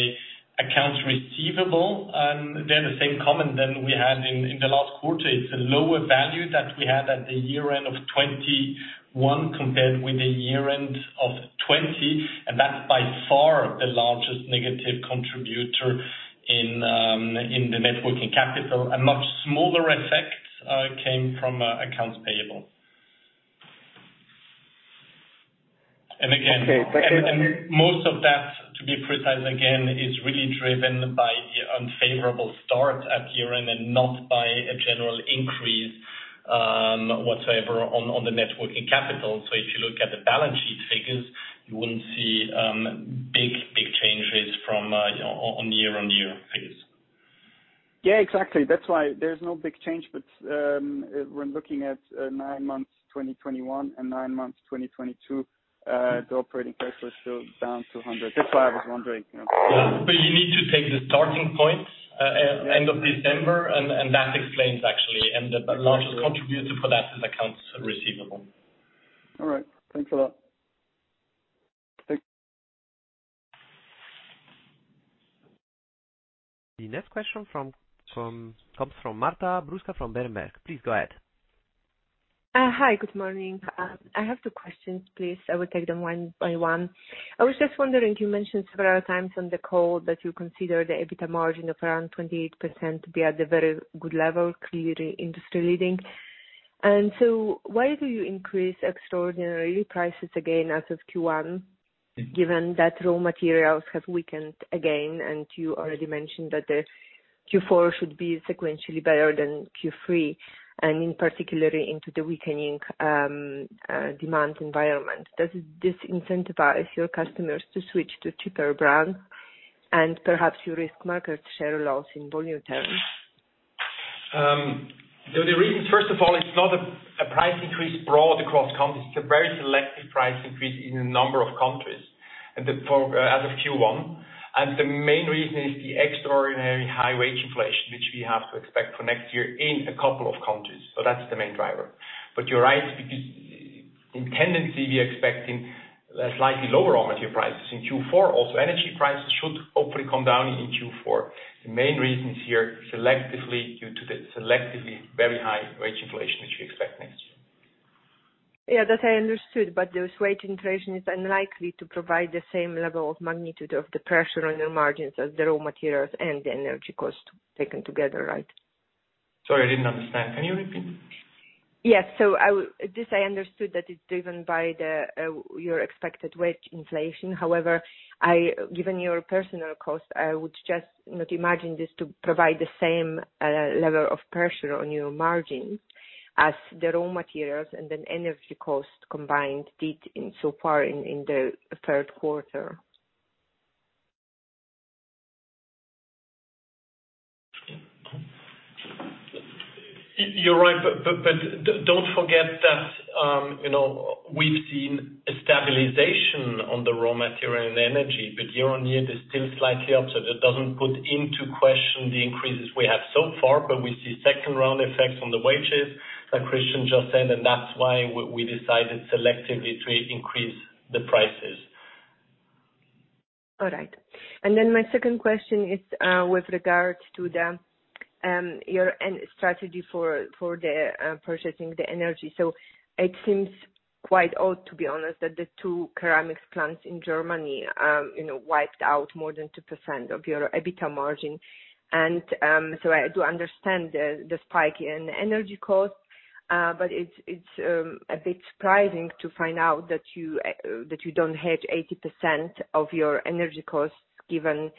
accounts receivable, and there's the same comment as we had in the last quarter. It's a lower value that we had at the year-end of 2021 compared with the year-end of 2020, and that's by far the largest negative contributor in the net working capital. A much smaller effect came from accounts payable. Again Okay. Most of that, to be precise again, is really driven by the unfavorable start at year-end and not by a general increase whatsoever on the net working capital. If you look at the balance sheet figures, you wouldn't see big changes from year-on-year figures. Yeah, exactly. That's why there's no big change. We're looking at nine months 2021 and nine months 2022, the operating pressure is still down to 100. That's why I was wondering. You need to take the starting point, end of December, and that explains actually and the largest contributor for that is accounts receivable. All right. Thanks a lot. Thanks. The next question comes from Marta Bruska from Berenberg. Please go ahead. Hi, good morning. I have two questions, please. I will take them one by one. I was just wondering, you mentioned several times on the call that you consider the EBITDA margin of around 28% to be at a very good level, clearly industry-leading. Why do you increase extraordinary prices again as of Q1, given that raw materials have weakened again? You already mentioned that the Q4 should be sequentially better than Q3, and particularly into the weakening demand environment. Does this incentivize your customers to switch to cheaper brands and perhaps you risk market share loss in volume terms? The reason, first of all, it's not a price increase broadly across countries. It's a very selective price increase in a number of countries as of Q1. The main reason is the extraordinary high wage inflation, which we have to expect for next year in a couple of countries. That's the main driver. You're right, because in the end, we are expecting slightly lower raw material prices. In Q4, also, energy prices should hopefully come down in Q4. The main reasons here, selectively due to the selectively very high wage inflation that we expect next year. Yeah, that I understood, but this wage inflation is unlikely to provide the same level of magnitude of the pressure on your margins as the raw materials and the energy cost taken together, right? Sorry, I didn't understand. Can you repeat? Yes. This, I understood, that it's driven by your expected wage inflation. However, given your personnel costs, I would just not imagine this to provide the same level of pressure on your margin as the raw materials and the energy costs combined did so far in the third quarter. You're right. Don't forget that, you know, we've seen a stabilization on the raw material and energy, but year-over-year they're still slightly up, so that doesn't put into question the increases we have so far. We see second round effects on the wages, like Christian just said, and that's why we decided selectively to increase the prices. All right. My second question is with regard to the your energy strategy for purchasing the energy. It seems quite odd, to be honest, that the two ceramics plants in Germany, you know, wiped out more than 2% of your EBITDA margin. I do understand the spike in energy costs, but it's a bit surprising to find out that you don't hedge 80% of your energy costs given,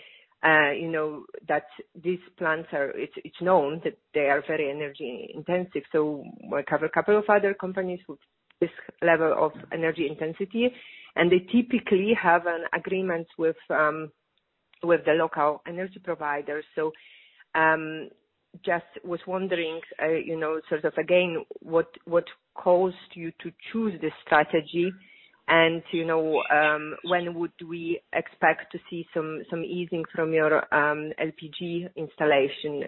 you know, that these plants are. It's known that they are very energy-intensive. We cover a couple of other companies with this level of energy intensity, and they typically have an agreement with the local energy providers. I was just wondering, you know, sort of again, what caused you to choose this strategy? You know, when would we expect to see some easing from your LPG installation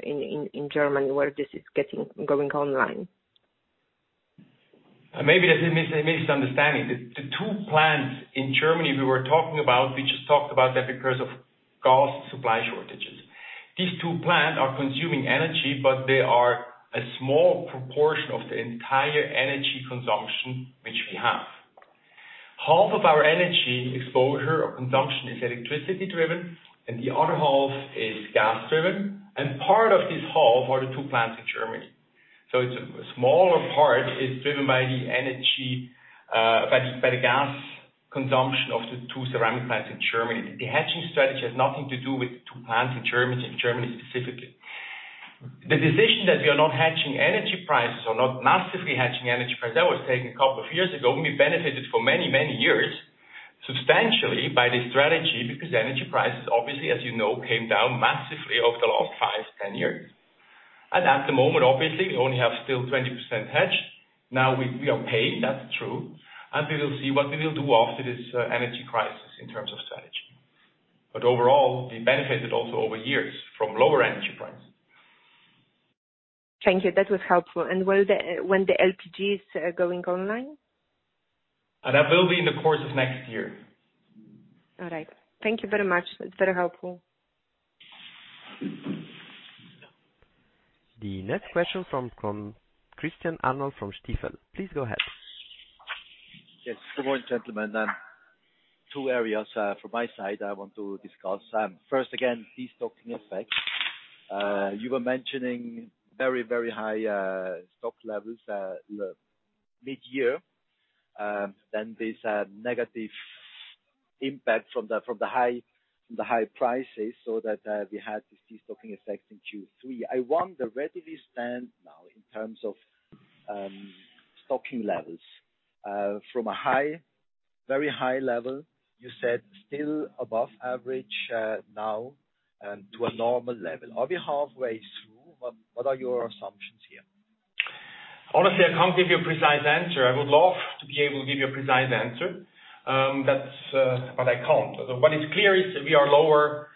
in Germany where this is going online? Maybe there's a misunderstanding. The two plants in Germany we were talking about, we just talked about that because of gas supply shortages. These two plants are consuming energy, but they are a small proportion of the entire energy consumption which we have. Half of our energy exposure or consumption is electricity-driven, and the other half is gas-driven, and part of this half are the two plants in Germany. It's a smaller part is driven by the energy, by the gas consumption of the two ceramic plants in Germany. The hedging strategy has nothing to do with the two plants in Germany specifically. The decision that we are not hedging energy prices or not massively hedging energy prices, that was taken a couple of years ago, and we benefited for many, many years substantially by this strategy because energy prices, obviously, as you know, came down massively over the last 5, 10 years. At the moment, obviously, we only have still 20% hedged. Now we are paying, that's true, and we will see what we will do after this energy crisis in terms of strategy. Overall, we benefited also over years from lower energy prices. Thank you. That was helpful. When the LPG is going online? That will be in the course of next year. All right. Thank you very much. That's very helpful. The next question from Christian Arnold from Stifel, please go ahead. Yes. Good morning, gentlemen. Two areas from my side I want to discuss. First again, destocking effect. You were mentioning very high stock levels mid-year. Then this negative impact from the high prices so that we had destocking effect in Q3. I want to understand now in terms of stocking levels from a very high level you said still above average now and to a normal level. Are we halfway through? What are your assumptions here? Honestly, I can't give you a precise answer. I would love to be able to give you a precise answer, but I can't. What is clear is we are lower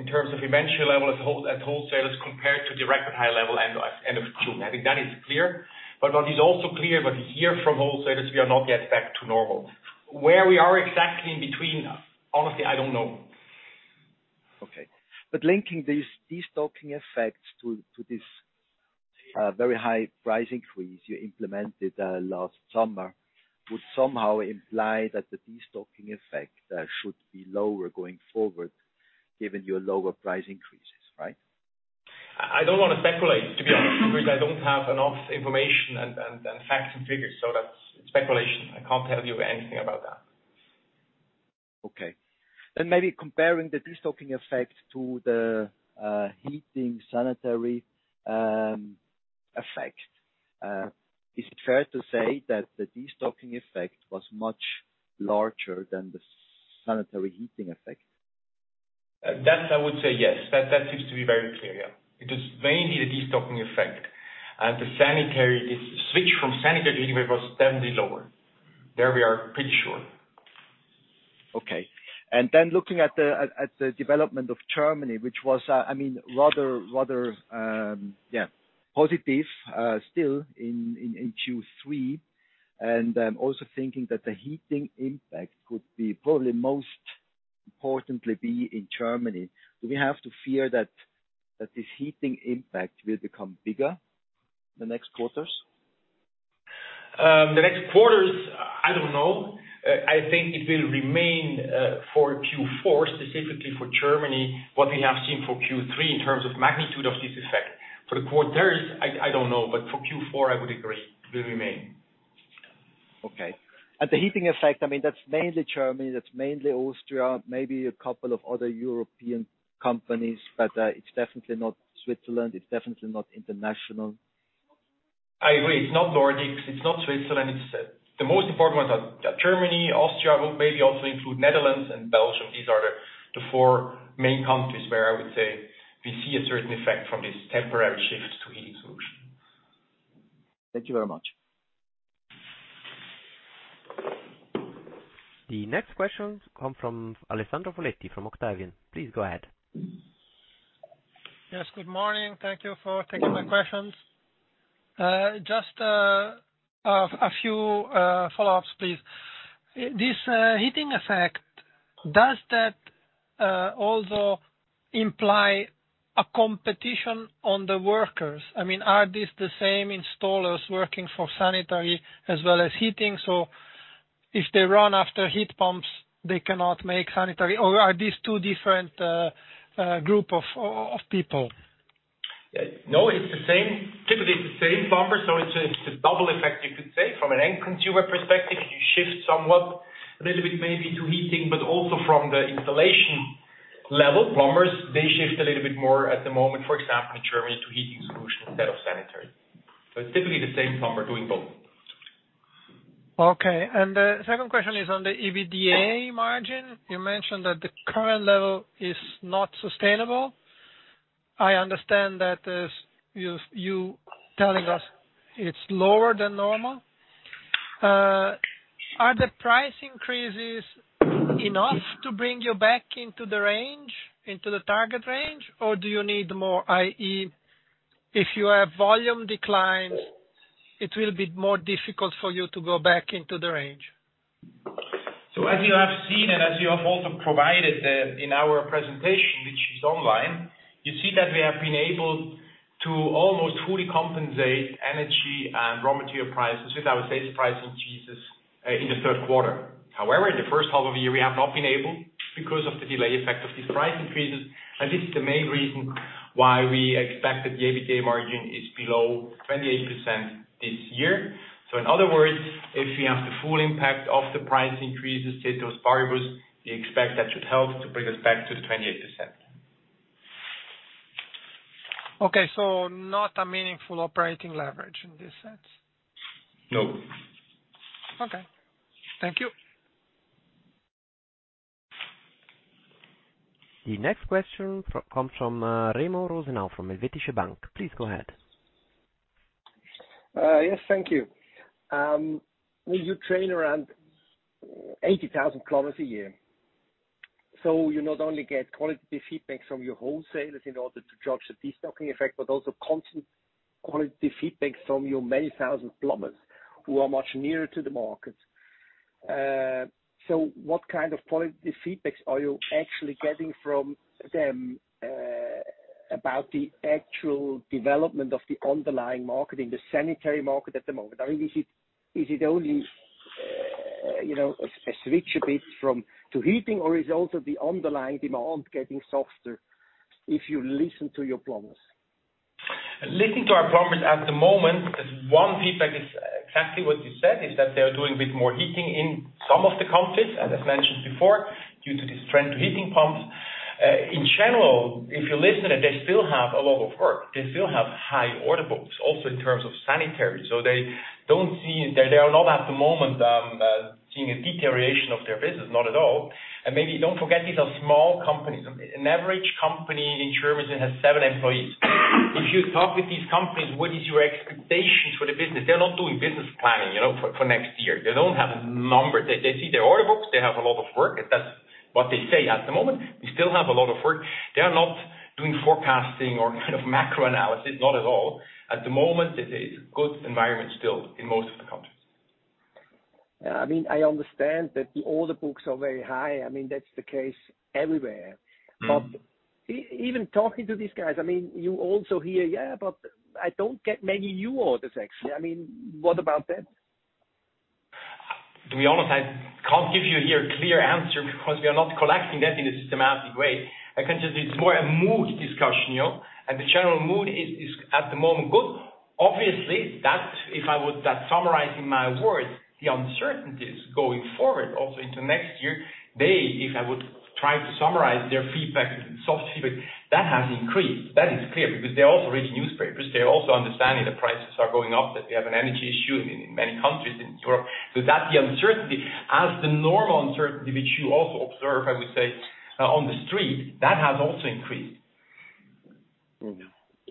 in terms of inventory level at wholesale, at wholesalers compared to the record high level end of June. I think that is clear. What is also clear, we hear from wholesalers, we are not yet back to normal. Where we are exactly in between, honestly, I don't know. Okay. Linking these destocking effects to this very high price increase you implemented last summer would somehow imply that the destocking effect should be lower going forward given your lower price increases, right? I don't wanna speculate, to be honest with you, because I don't have enough information and facts and figures. That's speculation. I can't tell you anything about that. Okay. Maybe comparing the destocking effect to the heating sanitary effect. Is it fair to say that the destocking effect was much larger than the sanitary heating effect? That I would say yes. That seems to be very clear, yeah. It is mainly the destocking effect and the switch from sanitary heating was definitely lower. There we are pretty sure. Okay. Then looking at the development of Germany, which was, I mean, rather, yeah, positive, still in Q3, and I'm also thinking that the heating impact could be probably most importantly be in Germany. Do we have to fear that this heating impact will become bigger the next quarters? The next quarters, I don't know. I think it will remain for Q4, specifically for Germany, what we have seen for Q3 in terms of magnitude of this effect. For the quarters, I don't know, but for Q4 I would agree, will remain. Okay. The heating effect, I mean that's mainly Germany, that's mainly Austria, maybe a couple of other European companies, but it's definitely not Switzerland, it's definitely not international. I agree. It's not Nordics, it's not Switzerland. It's the most important ones are Germany, Austria, maybe also include Netherlands and Belgium. These are the four main countries where I would say we see a certain effect from this temporary shift to heating solution. Thank you very much. The next questions come from Alessandro Foletti from Octavian. Please go ahead. Yes, good morning. Thank you for taking my questions. Just a few follow-ups, please. This heating effect, does that also imply a competition on the workers? I mean, are these the same installers working for sanitary as well as heating? If they run after heat pumps, they cannot make sanitary or are these two different group of people? No, it's the same, typically the same plumber. It's a double effect you could say. From an end consumer perspective, you shift somewhat a little bit maybe to heating, but also from the installation level, plumbers, they shift a little bit more at the moment, for example, in Germany to heating solution instead of sanitary. It's typically the same plumber doing both. Okay. The second question is on the EBITDA margin. You mentioned that the current level is not sustainable. I understand that, as you telling us it's lower than normal. Are the price increases enough to bring you back into the range, into the target range, or do you need more, i.e., if you have volume declines, it will be more difficult for you to go back into the range. As you have seen and as you have also provided in our presentation, which is online, you see that we have been able to almost fully compensate energy and raw material prices with our sales price increases in the third quarter. However, in the first half of the year, we have not been able because of the delay effect of these price increases, and this is the main reason why we expect that the EBITDA margin is below 28% this year. In other words, if we have the full impact of the price increases to those variables, we expect that should help to bring us back to the 28%. Okay. Not a meaningful operating leverage in this sense? No. Okay. Thank you. The next question comes from Remo Rosenau from Helvetische Bank. Please go ahead. Yes, thank you. You train around 80,000 kilometers a year, so you not only get qualitative feedback from your wholesalers in order to judge the destocking effect, but also constant quality feedback from your many thousand plumbers who are much nearer to the market. So what kind of quality feedbacks are you actually getting from them about the actual development of the underlying market, in the sanitary market at the moment? I mean, is it only, you know, a switch a bit from to heating or is it also the underlying demand getting softer if you listen to your plumbers? Listening to our plumbers at the moment, one feedback is exactly what you said, is that they are doing a bit more heating in some of the countries, and as mentioned before, due to the trend to heat pumps. In general, if you listen, they still have a lot of work, they still have high order books also in terms of sanitary. They are not at the moment seeing a deterioration of their business. Not at all. Maybe don't forget, these are small companies. An average company in Germany has seven employees. If you talk with these companies, what is your expectation for the business? They're not doing business planning, you know, for next year. They don't have numbers. They see their order books. They have a lot of work. That's what they say at the moment. We still have a lot of work. They are not doing forecasting or kind of macro-analysis, not at all. At the moment, it is good environment still in most of the countries. Yeah. I mean, I understand that the order books are very high. I mean, that's the case everywhere. Mm-hmm. Even talking to these guys, I mean, you also hear, "Yeah, but I don't get many new orders, actually." I mean, what about that? To be honest, I can't give you here a clear answer because we are not collecting that in a systematic way. It's more a mood discussion, you know. The general mood is at the moment good. Obviously, if I would try to summarize their feedback, sort of feedback, that has increased. That is clear, because they also read newspapers. They're also understanding the prices are going up, that we have an energy issue in many countries in Europe. That's the uncertainty. As the normal uncertainty which you also observe, I would say, on the street, that has also increased.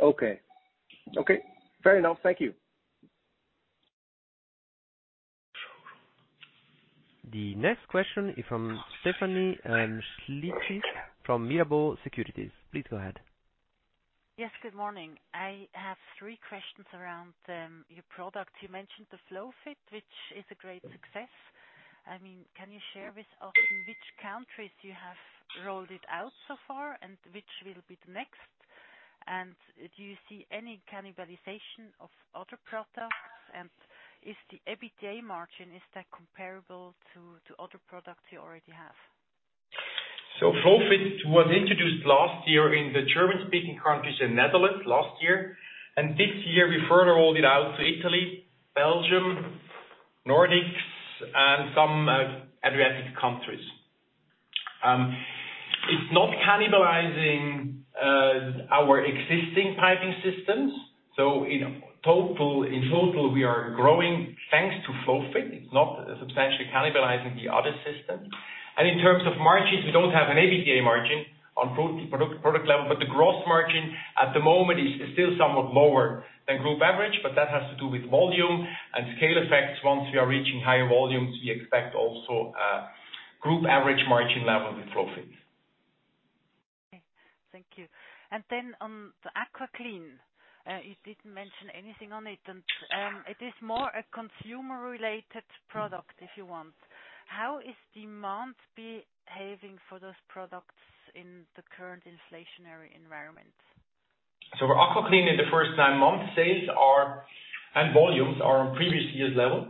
Okay, fair enough. Thank you. The next question is from Stefanie Scholtysik from Mirabaud Securities. Please go ahead. Yes, good morning. I have three questions around your product. You mentioned the FlowFit, which is a great success. I mean, can you share with us in which countries you have rolled it out so far and which will be the next? And do you see any cannibalization of other products? And is the EBITDA margin comparable to other products you already have? FlowFit was introduced last year in the German-speaking countries and Netherlands last year. This year we further rolled it out to Italy, Belgium, Nordics, and some Adriatic countries. It's not cannibalizing our existing Piping Systems. In total, we are growing thanks to FlowFit. It's not substantially cannibalizing the other system. In terms of margins, we don't have an EBITDA margin on product level, but the gross margin at the moment is still somewhat lower than group average, but that has to do with volume and scale effects. Once we are reaching higher volumes, we expect also group average margin level with FlowFit. Okay. Thank you. Then on the AquaClean, you didn't mention anything on it. It is more a consumer-related product, if you want. How is demand behaving for those products in the current inflationary environment? For AquaClean, in the first nine months, sales are, and volumes are on previous years' level,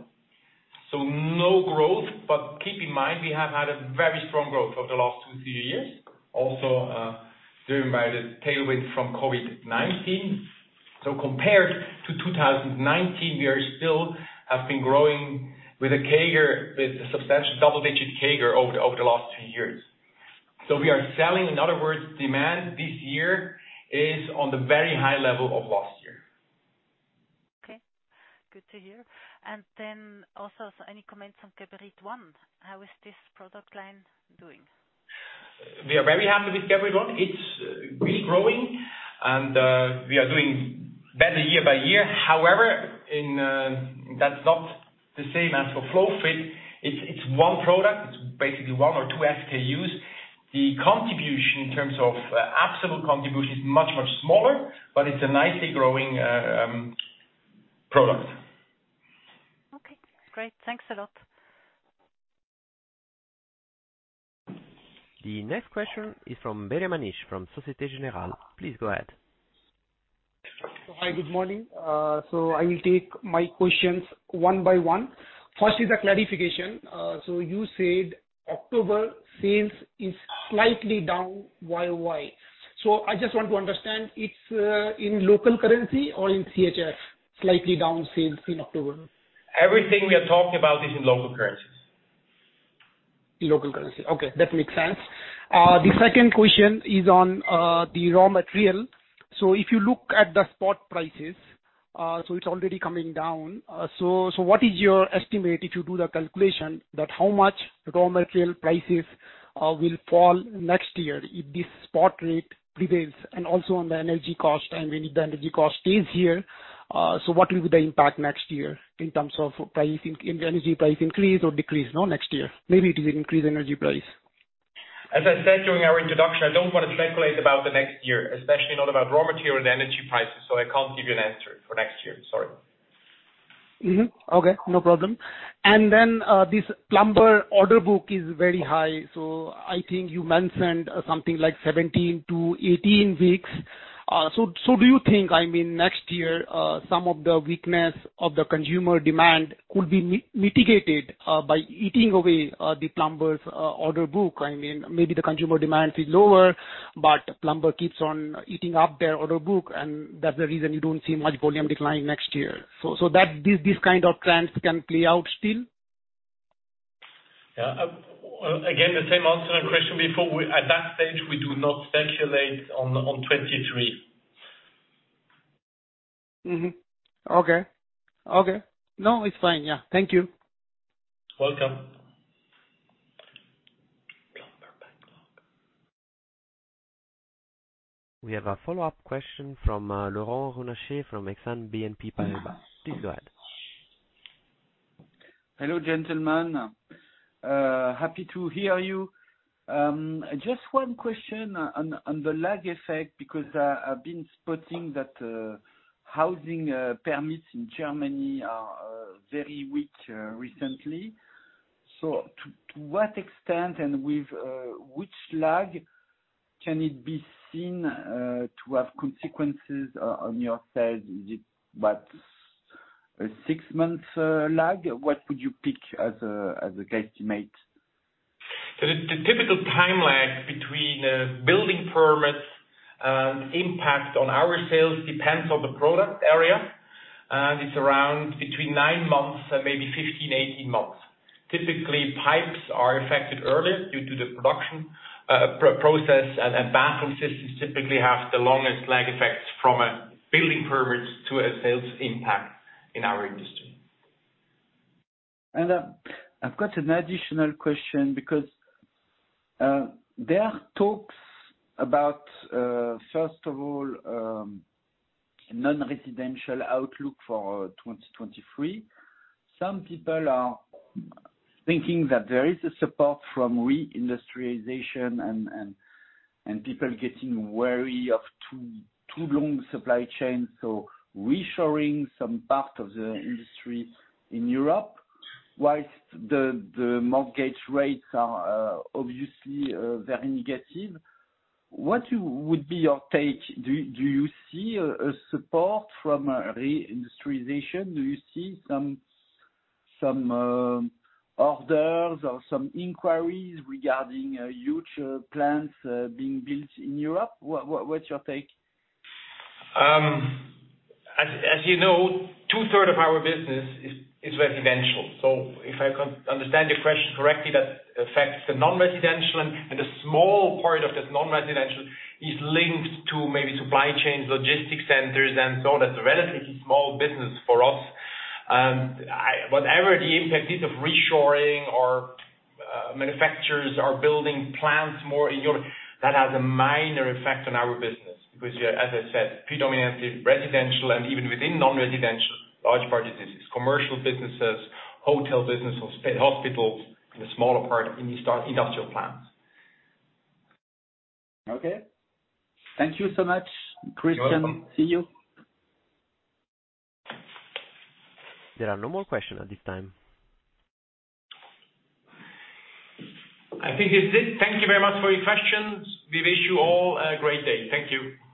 so no growth. Keep in mind, we have had a very strong growth over the last two, three years also, driven by the tailwind from COVID-19. Compared to 2019, we are still have been growing with a CAGR, with a substantial double-digit CAGR over the last two years. We are selling. In other words, demand this year is on the very high level of last year. Okay, good to hear. Any comments on Geberit ONE? How is this product line doing? We are very happy with Geberit ONE. It's really growing, and we are doing better year by year. However, that's not the same as for FlowFit. It's one product. It's basically one or two SKUs. The contribution in terms of absolute contribution is much, much smaller, but it's a nicely growing product. Okay, great. Thanks a lot. The next question is from Manish Beria from Societe Generale. Please go ahead. Hi, good morning. I will take my questions one by one. First is a clarification. You said October sales is slightly down YoY. I just want to understand, it's in local currency or in CHF, slightly down sales in October? Everything we are talking about is in local currencies. In local currency. Okay, that makes sense. The second question is on the raw material. If you look at the spot prices, it's already coming down. What is your estimate if you do the calculation that how much raw material prices will fall next year if this spot rate prevails, and also on the energy cost, and what is the energy cost here, so what will be the impact next year in terms of price in the energy price increase or decrease now next year? Maybe it is increased energy price. As I said during our introduction, I don't wanna speculate about the next year, especially not about raw material and energy prices, so I can't give you an answer for next year. Sorry. Mm-hmm. Okay. No problem. Then this plumber order book is very high, so I think you mentioned something like 17-18 weeks. So do you think, I mean, next year some of the weakness of the consumer demand could be mitigated by eating away the plumbers' order book? I mean, maybe the consumer demand is lower, but plumber keeps on eating up their order book, and that's the reason you don't see much volume decline next year. That these kind of trends can play out still? Yeah. Again, the same answer I questioned before. At that stage, we do not speculate on 2023. Mm-hmm. Okay. No, it's fine. Yeah. Thank you. Welcome. We have a follow-up question from Laurent Favre from Exane BNP Paribas. Please go ahead. Hello, gentlemen. Happy to hear you. Just one question on the lag effect because I've been spotting that housing permits in Germany are very weak recently. To what extent and with which lag can it be seen to have consequences on your sales? Is it about a six months lag? What would you pick as a guesstimate? The typical time lag between building permits and impact on our sales depends on the product area. It's around between 9 months and maybe 15-18 months. Typically, pipes are affected earlier due to the production process and Bathroom Systems typically have the longest lag effects from building permits to a sales impact in our industry. I've got an additional question because there are talks about first of all non-residential outlook for 2023. Some people are thinking that there is a support from reindustrialization and people getting wary of too long supply chain, so reshoring some part of the industry in Europe, while the mortgage rates are obviously very negative. What would be your take? Do you see a support from reindustrialization? Do you see some orders or some inquiries regarding huge plants being built in Europe? What's your take? As you know, two-thirds of our business is residential. If I can understand your question correctly, that affects the non-residential and a small part of this non-residential is linked to maybe supply chains, logistics centers, and so that's a relatively small business for us. Whatever the impact is of reshoring or manufacturers are building plants more in Europe, that has a minor effect on our business because we are, as I said, predominantly residential and even within non-residential, large part of this is Commercial businesses, Hotel business or State Hospitals, and a smaller part in Industrial plants. Okay. Thank you so much, Christian. You're welcome. See you. There are no more questions at this time. I think it's it. Thank you very much for your questions. We wish you all a great day. Thank you.